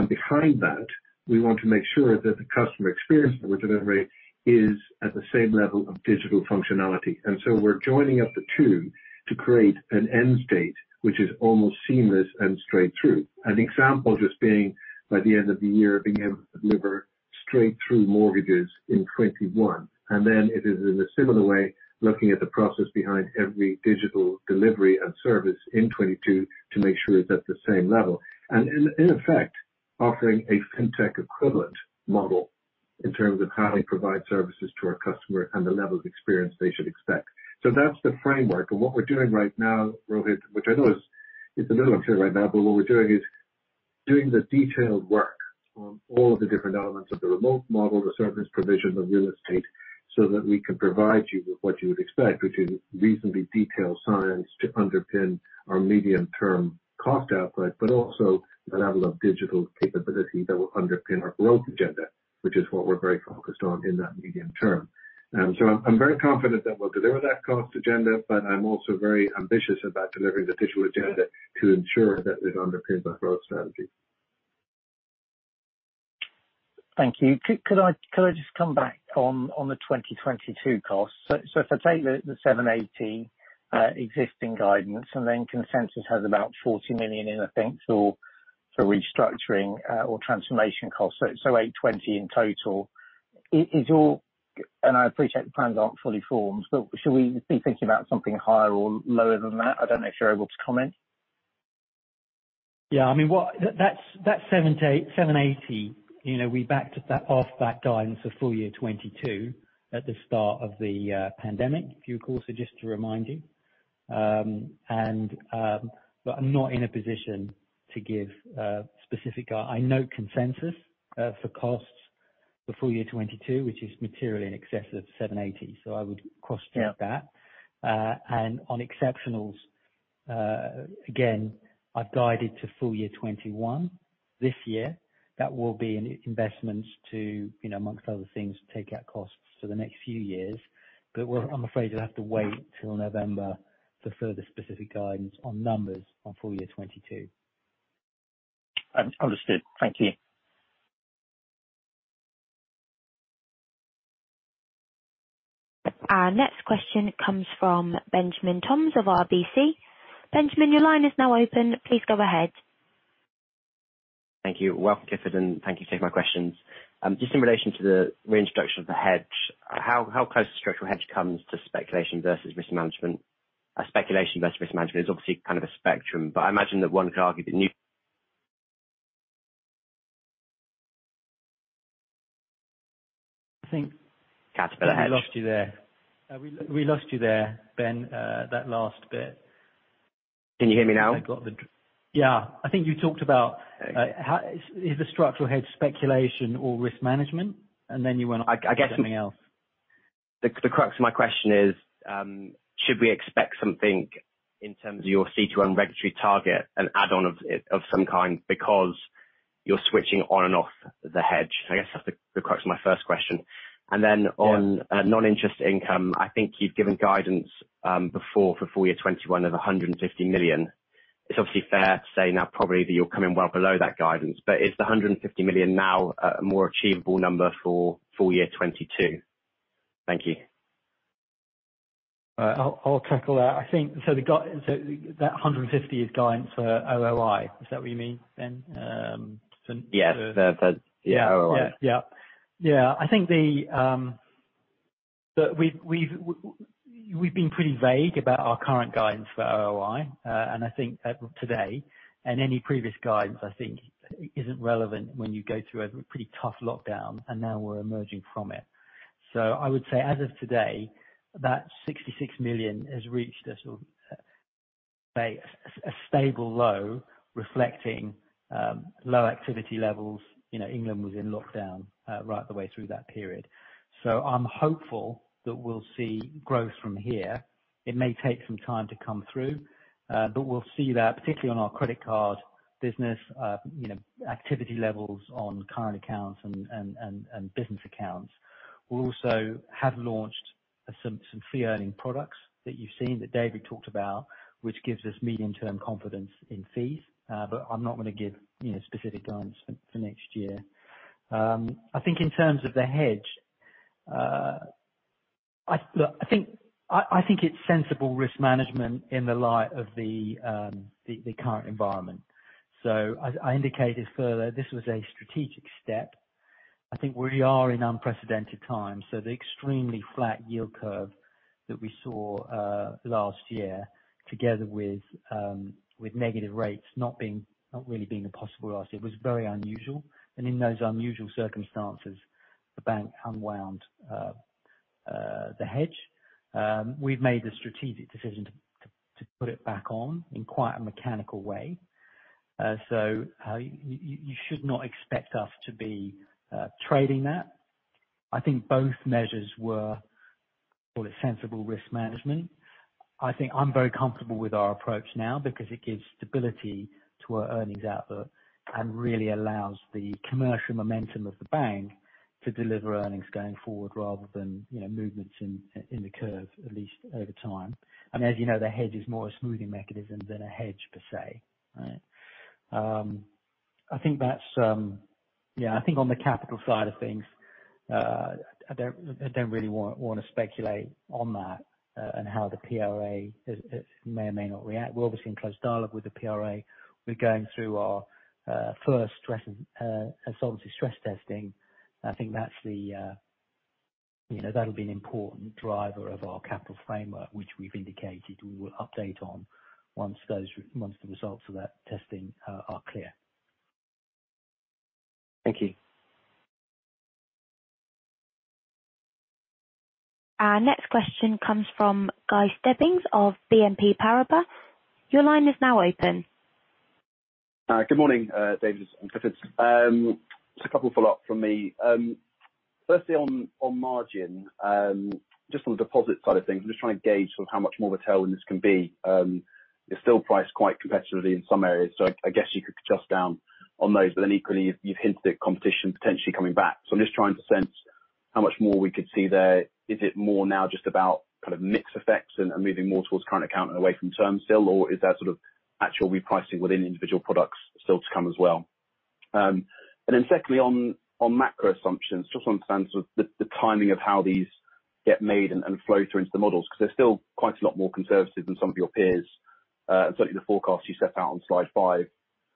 Behind that, we want to make sure that the customer experience we're delivering is at the same level of digital functionality. We're joining up the two to create an end state, which is almost seamless and straight through. An example just being by the end of the year, being able to deliver straight through mortgages in 2021. It is in a similar way, looking at the process behind every digital delivery and service in 2022 to make sure it's at the same level. In effect, offering a fintech equivalent model in terms of how we provide services to our customer and the level of experience they should expect. That's the framework. What we're doing right now, Rohith, which I know is a little unclear right now, but what we're doing is doing the detailed work on all of the different elements of the remote model, the service provision of real estate, so that we can provide you with what you would expect, which is reasonably detailed science to underpin our medium term cost output, but also the level of digital capability that will underpin our growth agenda. Which is what we're very focused on in that medium term. I'm very confident that we'll deliver that cost agenda, but I'm also very ambitious about delivering the digital agenda to ensure that it underpins our growth strategy. Thank you. Could I just come back on the 2022 costs? If I take the 780 existing guidance, then consensus has about 40 million in, I think, for restructuring or transformation costs. 820 in total. I appreciate the plans aren't fully formed, should we be thinking about something higher or lower than that? I don't know if you're able to comment. Yeah, that GBP 780, we backed off that guidance for full year 2022 at the start of the pandemic. If you recall, just to remind you. I'm not in a position to give specific. I know consensus for costs for full year 2022, which is materially in excess of 780. I would cross-check that. On exceptionals, again, I've guided to full year 2021. This year, that will be in investments to, amongst other things, take out costs for the next few years. Well, I'm afraid you'll have to wait till November for further specific guidance on numbers on full year 2022. Understood. Thank you. Our next question comes from Benjamin Toms of RBC. Benjamin, your line is now open. Please go ahead. Thank you. Welcome, Clifford, and thank you for taking my questions. In relation to the reintroduction of the hedge. How close the structural hedge comes to speculation versus risk management? Speculation versus risk management is obviously kind of a spectrum. I think- Category hedge. We lost you there. We lost you there, Ben, that last bit. Can you hear me now? Yeah. I think you talked about is the structural hedge speculation or risk management? Then you went on something else. I guess the crux of my question is, should we expect something in terms of your P2 regulatory target, an add-on of some kind because you're switching on and off the hedge? I guess that's the crux of my first question. And then on non-interest income. I think you've given guidance before for full year 2021 of 150 million. It's obviously fair to say now probably that you'll come in well below that guidance. Is the 150 million now a more achievable number for full year 2022? Thank you. I'll tackle that. That 150 is guidance for OOI. Is that what you mean, Ben? Yes. The OOI. Yeah. I think that we've been pretty vague about our current guidance for OOI. I think today, and any previous guidance, I think isn't relevant when you go through a pretty tough lockdown, and now we're emerging from it. I would say as of today, that 66 million has reached a sort of base, a stable low reflecting low activity levels. England was in lockdown right the way through that period. I'm hopeful that we'll see growth from here. It may take some time to come through. We'll see that particularly on our credit card business, activity levels on current accounts and business accounts. We also have launched some fee earning products that you've seen that David talked about, which gives us medium-term confidence in fees. I'm not going to give specific guidance for next year. I think in terms of the hedge, I think it's sensible risk management in the light of the current environment. I indicated further this was a strategic step. I think we are in unprecedented times. The extremely flat yield curve that we saw last year, together with negative rates not really being a possibility, it was very unusual and in those unusual circumstances, the bank unwound the hedge. We've made the strategic decision to put it back on in quite a mechanical way. You should not expect us to be trading that. I think both measures were, call it sensible risk management. I think I'm very comfortable with our approach now because it gives stability to our earnings output and really allows the commercial momentum of the bank to deliver earnings going forward rather than movements in the curve, at least over time. As you know, the hedge is more a smoothing mechanism than a hedge per se. I think on the capital side of things, I don't really want to speculate on that and how the PRA may or may not react. We're obviously in close dialogue with the PRA. We're going through our first solvency stress testing. I think that'll be an important driver of our capital framework, which we've indicated we will update on once the results of that testing are clear. Thank you. Our next question comes from Guy Stebbings of BNP Paribas. Your line is now open. Good morning David and Clifford. Just a couple follow up from me. Firstly on margin, just on the deposit side of things, I'm just trying to gauge sort of how much more tailwind this can be. You're still priced quite competitively in some areas. I guess you could adjust down on those. Equally you've hinted at competition potentially coming back. I'm just trying to sense how much more we could see there. Is it more now just about kind of mix effects and moving more towards current account and away from term still, or is there sort of actual repricing within individual products still to come as well? Secondly on macro assumptions, just on the timing of how these get made and flow through into the models, because they're still quite a lot more conservative than some of your peers. Certainly the forecast you set out on slide five.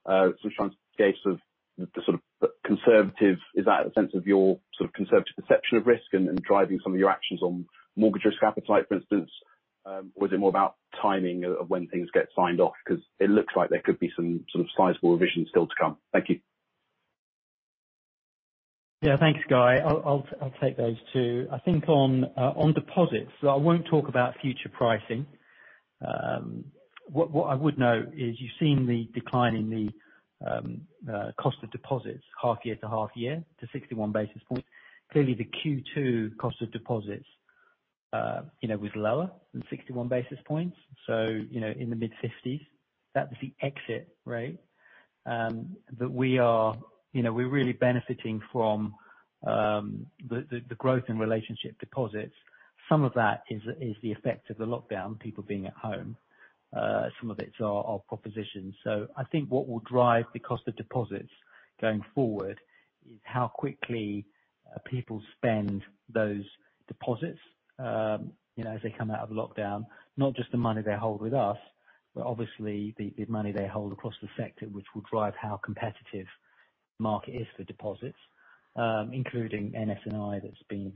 I'm just trying to gauge the sort of conservative, is that a sense of your sort of conservative perception of risk and driving some of your actions on mortgage risk appetite, for instance? Is it more about timing of when things get signed off? It looks like there could be some sort of sizable revisions still to come. Thank you. Yeah. Thanks, Guy. I'll take those two. I think on deposits, I won't talk about future pricing. What I would note is you've seen the decline in the cost of deposits half year to half year to 61 basis points. Clearly the Q2 cost of deposits was lower than 61 basis points. In the mid-fifties. That was the exit rate. We're really benefiting from the growth in relationship deposits. Some of that is the effect of the lockdown, people being at home. Some of it's our proposition. I think what will drive the cost of deposits going forward is how quickly people spend those deposits as they come out of lockdown, not just the money they hold with us, but obviously the money they hold across the sector, which will drive how competitive market is for deposits, including NS&I that has been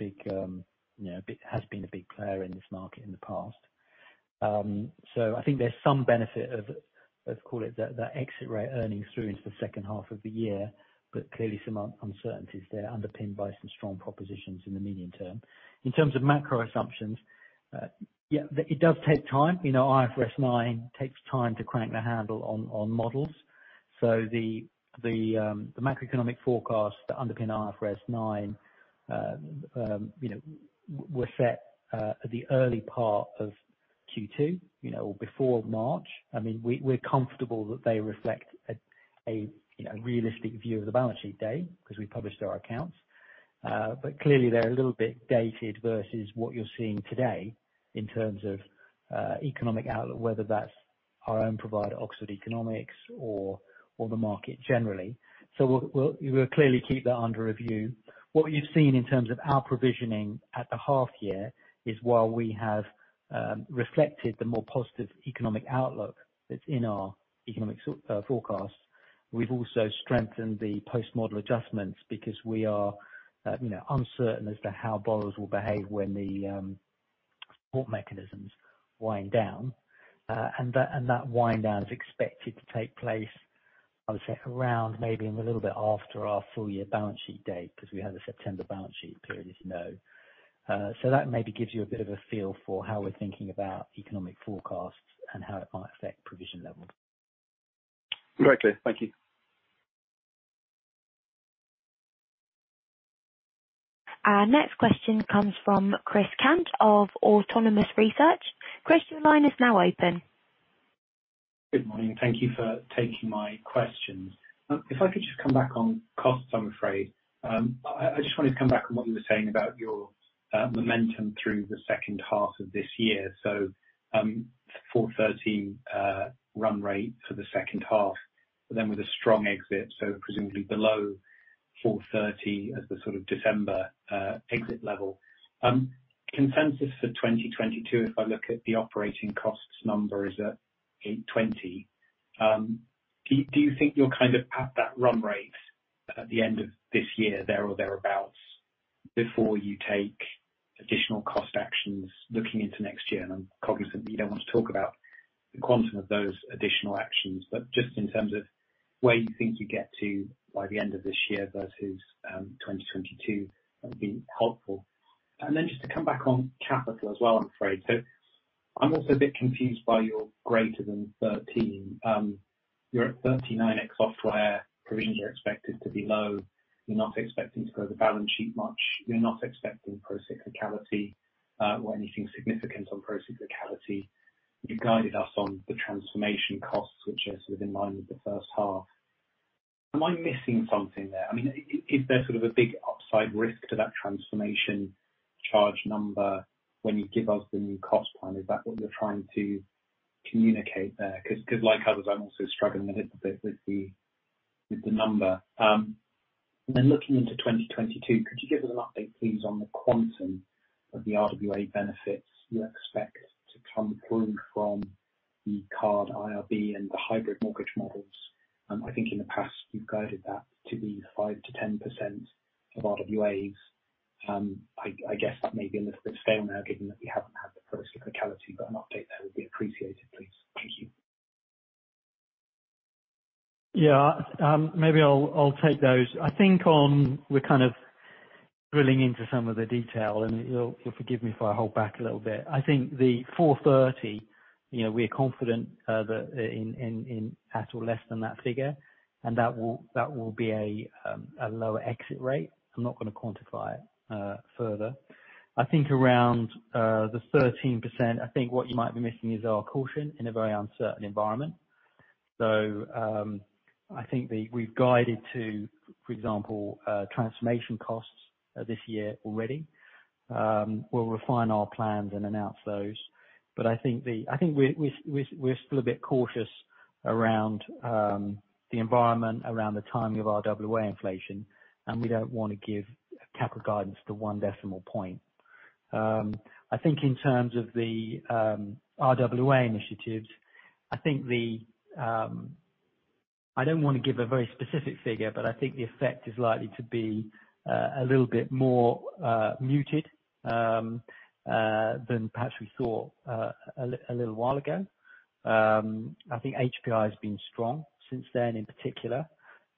a big player in this market in the past. I think there's some benefit of, let's call it, the exit rate earnings through into the second half of the year, but clearly some uncertainties there underpinned by some strong propositions in the medium term. In terms of macro assumptions, yeah, it does take time. IFRS 9 takes time to crank the handle on models. The macroeconomic forecasts that underpin IFRS 9 were set at the early part of Q2 or before March. We're comfortable that they reflect a realistic view of the balance sheet date because we published our accounts. Clearly they're a little bit dated versus what you're seeing today in terms of economic outlook, whether that's our own provider, Oxford Economics or the market generally. We'll clearly keep that under review. What you've seen in terms of our provisioning at the half year is while we have reflected the more positive economic outlook that's in our economic forecast, we've also strengthened the post-model adjustments because we are uncertain as to how borrowers will behave when the support mechanisms wind down. That wind down is expected to take place, I would say around maybe in a little bit after our full year balance sheet date, because we have a September balance sheet period, as you know. That maybe gives you a bit of a feel for how we're thinking about economic forecasts and how it might affect provision levels. Great. Clear. Thank you. Our next question comes from Chris Cant of Autonomous Research. Chris, your line is now open. Good morning. Thank you for taking my questions. If I could just come back on costs, I'm afraid. I just wanted to come back on what you were saying about your momentum through the second half of this year. 430 run rate for the second half, with a strong exit, presumably below 430 as the December exit level. Consensus for 2022, if I look at the operating costs number, is at 820. Do you think you're at that run rate at the end of this year, there or thereabouts, before you take additional cost actions looking into next year? I'm cognizant that you don't want to talk about the quantum of those additional actions, just in terms of where you think you get to by the end of this year versus 2022, that would be helpful. Just to come back on capital as well, I'm afraid. I'm also a bit confused by your greater than 13. You're at 39x software. Agreed you're expected to be low. You're not expecting to grow the balance sheet much. You're not expecting procyclicality or anything significant on procyclicality. You guided us on the transformation costs, which are sort of in line with the first half. Am I missing something there? Is there sort of a big upside risk to that transformation charge number when you give us the new cost plan? Is that what you're trying to communicate there? Like others, I'm also struggling a little bit with the number. Looking into 2022, could you give us an update, please, on the quantum of the RWA benefits you expect to come through from the card IRB and the hybrid mortgage models? I think in the past you've guided that to be 5%-10% of RWAs. I guess that may be a little bit stale now, given that we haven't had the procyclicality, but an update there would be appreciated, please. Thank you. Yeah. Maybe I'll take those. I think we're kind of drilling into some of the detail, and you'll forgive me if I hold back a little bit. I think the 430, we're confident in at or less than that figure, and that will be a lower exit rate. I'm not going to quantify it further. I think around the 13%, I think what you might be missing is our caution in a very uncertain environment. I think we've guided to, for example, transformation costs this year already. We'll refine our plans and announce those. I think we're still a bit cautious around the environment, around the timing of RWA inflation, and we don't want to give capital guidance to one decimal point. I think in terms of the RWA initiatives, I don't want to give a very specific figure, but I think the effect is likely to be a little bit more muted than perhaps we thought a little while ago. I think HPI has been strong since then in particular.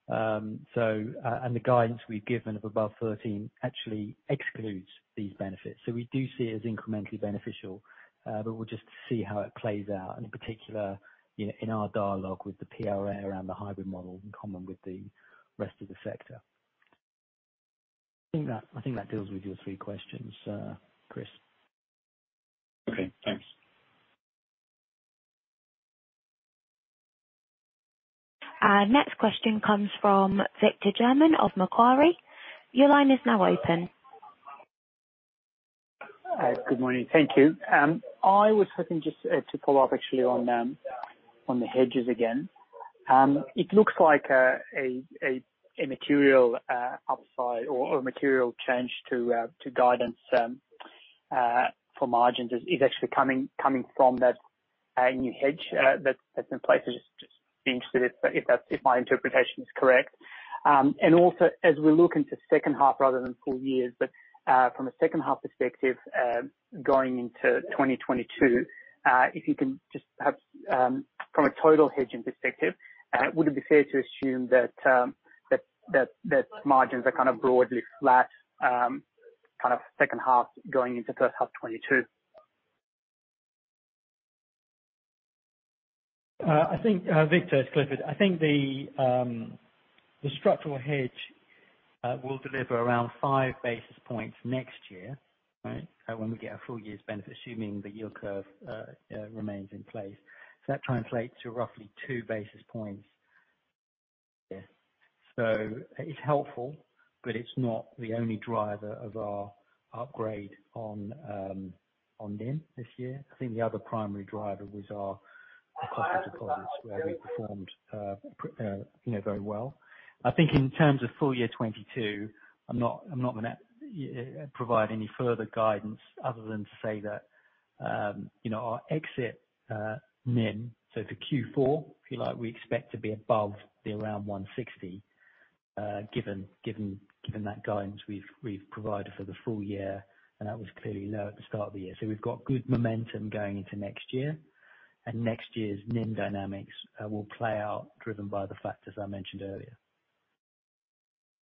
The guidance we've given of above 13% actually excludes these benefits. We do see it as incrementally beneficial, but we'll just see how it plays out. In particular, in our dialogue with the PRA around the hybrid model in common with the rest of the sector. I think that deals with your three questions, Chris. Okay, thanks. Our next question comes from Victor German of Macquarie. Your line is now open. Good morning. Thank you. I was hoping just to follow up actually on the hedges again. It looks like a material upside or a material change to guidance for margins is actually coming from that new hedge that's in place. I'm just interested if my interpretation is correct. Also, as we look into second half rather than full year, but from a second half perspective, going into 2022, if you can just perhaps from a total hedging perspective, would it be fair to assume that margins are kind of broadly flat, kind of second half going into first half 2022? Victor, it's Clifford. I think the structural hedge will deliver around five basis points next year, right? When we get a full year's benefit, assuming the yield curve remains in place. That translates to roughly two basis points. It's helpful, but it's not the only driver of our upgrade on NIM this year. I think the other primary driver was our cost deposits where we performed very well. I think in terms of full year 2022, I'm not going to provide any further guidance other than to say that our exit NIM, so for Q4, if you like, we expect to be above the around 160, given that guidance we've provided for the full year, and that was clearly low at the start of the year. We've got good momentum going into next year. Next year's NIM dynamics will play out driven by the factors I mentioned earlier.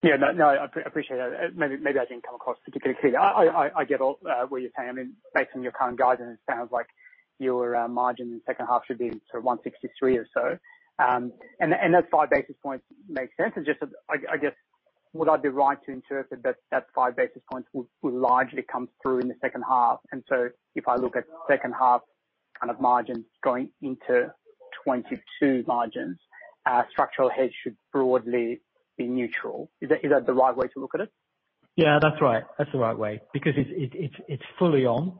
Yeah. No, I appreciate that. Maybe I didn't come across particularly clear. I get where you're saying. Based on your current guidance, it sounds like your margin in the second half should be sort of 163 or so. Those five basis points make sense. Would I be right to interpret that that five basis points will largely come through in the second half? If I look at second half kind of margins going into 2022 margins, structural hedge should broadly be neutral. Is that the right way to look at it? Yeah, that's right. That's the right way, because it's fully on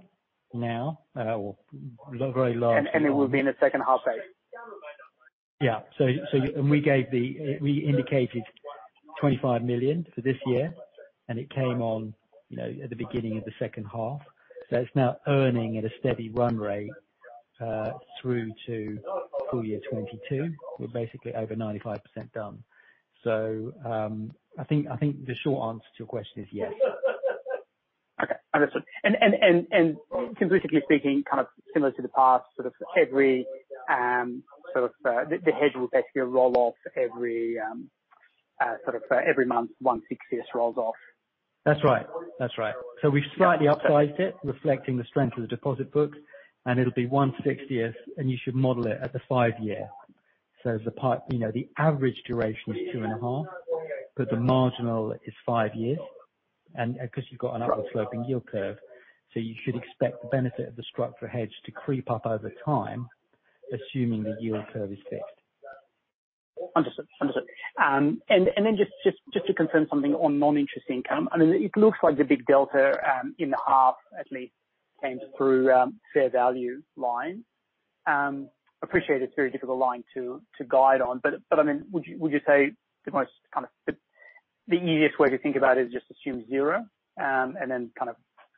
now. Well, very largely on. It will be in the second half. Yeah. We indicated 25 million for this year, and it came on at the beginning of the second half. It's now earning at a steady run rate through to full year 2022. We're basically over 95% done. I think the short answer to your question is yes. Okay. Understood. Conclusively speaking, kind of similar to the past, the hedge will basically roll off every month, 1/60th rolls off. That's right. We've slightly upsized it, reflecting the strength of the deposit book, and it'll be 1/60th, and you should model it at the five-year. The average duration is 2.5, but the marginal is five years. Because you've got an upward-sloping yield curve, you should expect the benefit of the structural hedge to creep up over time, assuming the yield curve is fixed. Understood. Just to confirm something on non-interest income. I mean, it looks like the big delta, in the half at least, came through fair value line. Appreciate it's a very difficult line to guide on, but, I mean, would you say the easiest way to think about it is just assume zero, and then kind of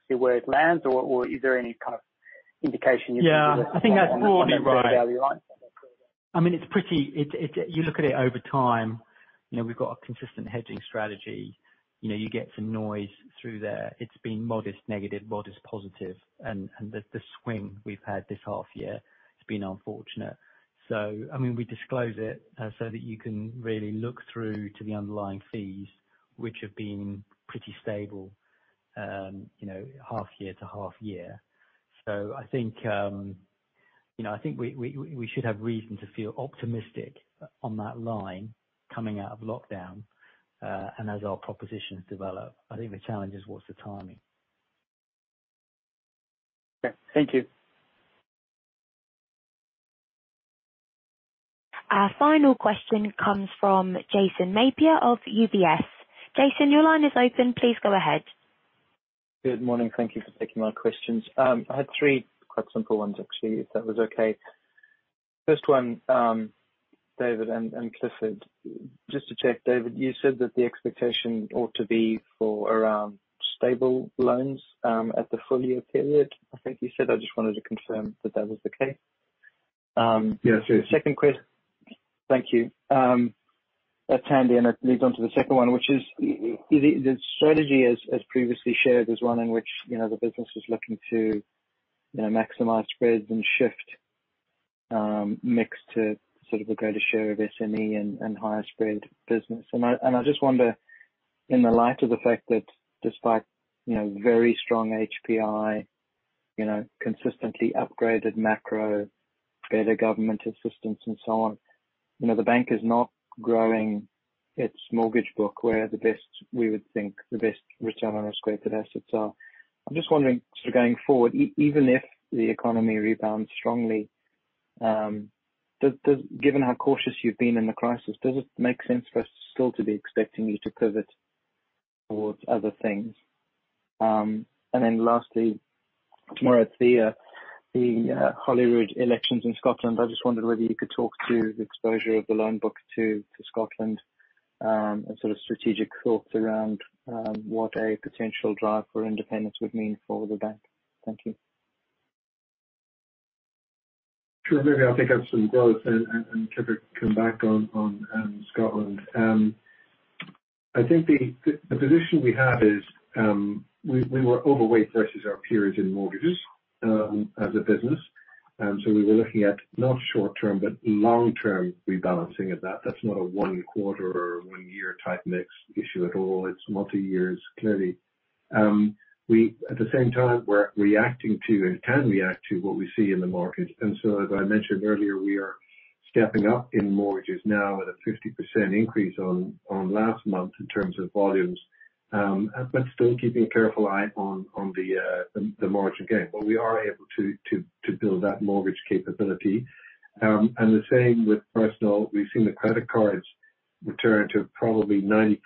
see where it lands? Is there any kind of indication you can give us- Yeah. I think that's broadly right. On that fair value line. I mean, you look at it over time, we've got a consistent hedging strategy. You get some noise through there. It's been modest negative, modest positive. The swing we've had this half year has been unfortunate. I mean, we disclose it so that you can really look through to the underlying fees, which have been pretty stable half year to half year. I think we should have reason to feel optimistic on that line coming out of lockdown, and as our propositions develop. I think the challenge is, what's the timing? Okay. Thank you. Our final question comes from Jason Napier of UBS. Jason, your line is open. Please go ahead. Good morning. Thank you for taking my questions. I had three quite simple ones, actually, if that was okay. First one, David and Clifford. Just to check, David, you said that the expectation ought to be for around stable loans at the full year period, I think you said. I just wanted to confirm that that was the case. Yes. Second, Thank you. That's handy. It leads on to the second one, which is, the strategy as previously shared, is one in which the business is looking to maximize spreads and shift mix to sort of a greater share of SME and higher spread business. I just wonder, in the light of the fact that despite very strong HPI, consistently upgraded macro, better government assistance, and so on, the bank is not growing its mortgage book where we would think the best return on risk-weighted assets are. I'm just wondering, going forward, even if the economy rebounds strongly, given how cautious you've been in the crisis, does it make sense for us still to be expecting you to pivot towards other things? Lastly, tomorrow, the Holyrood elections in Scotland, I just wondered whether you could talk to the exposure of the loan book to Scotland, and sort of strategic thoughts around what a potential drive for independence would mean for the bank. Thank you. Sure. Maybe I'll pick up some growth and Clifford can come back on Scotland. I think the position we have is, we were overweight versus our peers in mortgages as a business. We were looking at not short-term, but long-term rebalancing of that. That's not a one quarter or one year type mix issue at all. It's multi-years, clearly. At the same time, we're reacting to and can react to what we see in the market. As I mentioned earlier, we are stepping up in mortgages now at a 50% increase on last month in terms of volumes. Still keeping a careful eye on the margin gain. We are able to build that mortgage capability. The same with personal. We've seen the credit cards return to probably 94%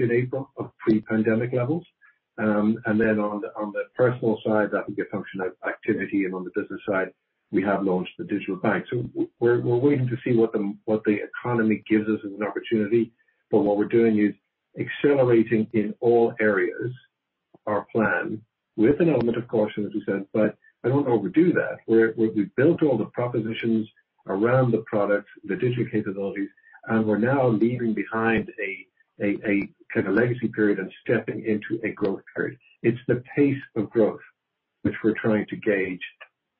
in April of pre-pandemic levels. Then on the personal side, that will be a function of activity, and on the business side, we have launched the digital bank. We're waiting to see what the economy gives us as an opportunity. What we're doing is accelerating in all areas our plan with an element of caution, as you said. I don't overdo that, where we've built all the propositions around the products, the digital capabilities, and we're now leaving behind a kind of legacy period and stepping into a growth period. It's the pace of growth which we're trying to gauge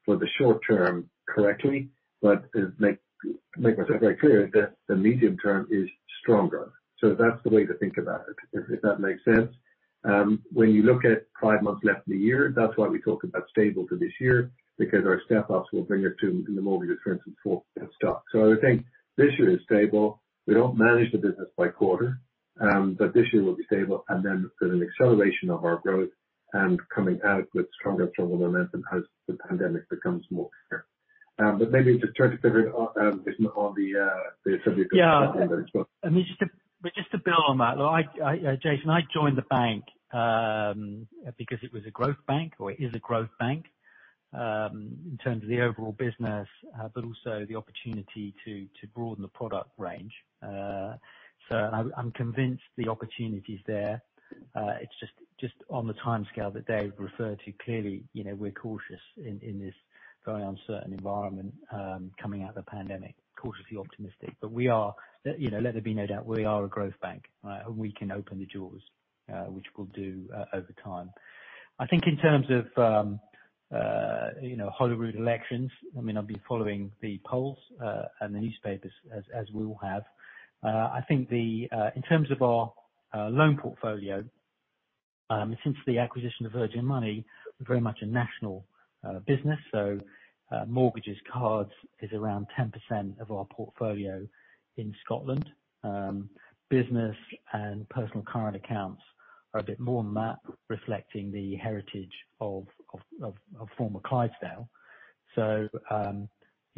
for the short term correctly, but make myself very clear that the medium term is stronger. That's the way to think about it, if that makes sense. When you look at five months left in the year, that's why we talk about stable for this year, because our step-ups will bring it to in the mortgage, for instance, fourth have stopped. I would think this year is stable. We don't manage the business by quarter. This year will be stable and then there's an acceleration of our growth and coming out with stronger and stronger momentum as the pandemic becomes more clear. Maybe just try to pivot on the subject of Scotland as well. Yeah. I mean, just to build on that. Jason, I joined the bank because it was a growth bank or is a growth bank, in terms of the overall business, but also the opportunity to broaden the product range. I'm convinced the opportunity's there. It's just on the timescale that Dave referred to. Clearly, we're cautious in this very uncertain environment, coming out of the pandemic. Cautiously optimistic. Let there be no doubt, we are a growth bank. Right. We can open the doors, which we'll do over time. I think in terms of Holyrood elections, I mean, I've been following the polls, and the newspapers, as we all have. I think in terms of our loan portfolio, since the acquisition of Virgin Money, we're very much a national business. Mortgages, cards is around 10% of our portfolio in Scotland. Business and personal current accounts are a bit more than that, reflecting the heritage of former Clydesdale.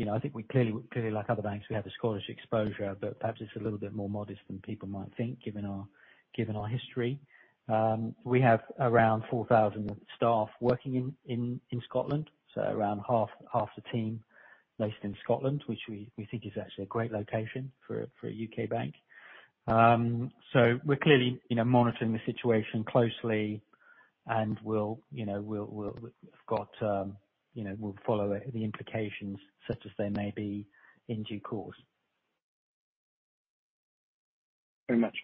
I think we clearly, like other banks, we have the Scottish exposure, but perhaps it's a little bit more modest than people might think given our history. We have around 4,000 staff working in Scotland, so around half the team based in Scotland, which we think is actually a great location for a U.K. bank. We're clearly monitoring the situation closely and we'll follow the implications such as they may be in due course. Very much.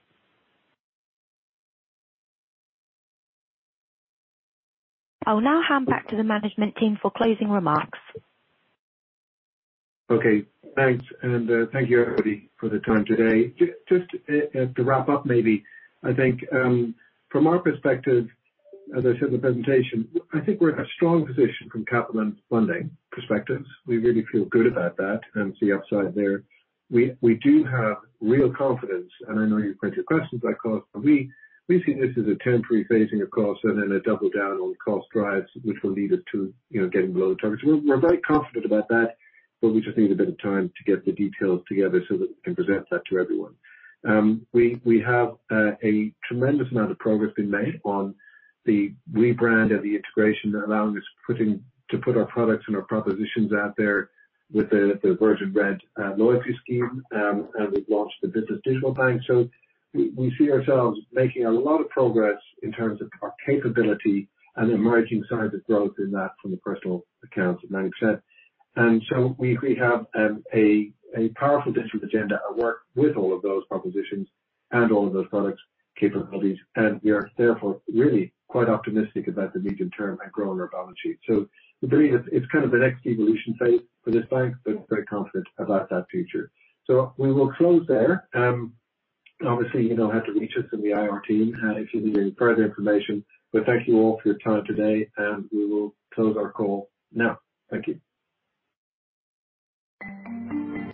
I will now hand back to the management team for closing remarks. Okay. Thanks, and thank you, everybody, for the time today. Just to wrap up maybe, I think from our perspective, as I said in the presentation, I think we're in a strong position from capital and funding perspectives. We really feel good about that and see upside there. We do have real confidence, and I know you've plenty of questions about cost. We see this as a temporary phasing of cost and then a double down on cost drives, which will lead us to getting below the targets. We're very confident about that, but we just need a bit of time to get the details together so that we can present that to everyone. We have a tremendous amount of progress been made on the rebrand and the integration allowing us to put our products and our propositions out there with the Virgin Red loyalty scheme. We've launched the business digital bank. We see ourselves making a lot of progress in terms of our capability and emerging signs of growth in that from the personal accounts at 90%. We have a powerful digital agenda at work with all of those propositions and all of those products capabilities. We are therefore really quite optimistic about the medium term and growing our balance sheet. It's kind of the next evolution phase for this bank, but very confident about that future. We will close there. Obviously, you know how to reach us in the IR team if you need any further information. Thank you all for your time today, and we will close our call now. Thank you.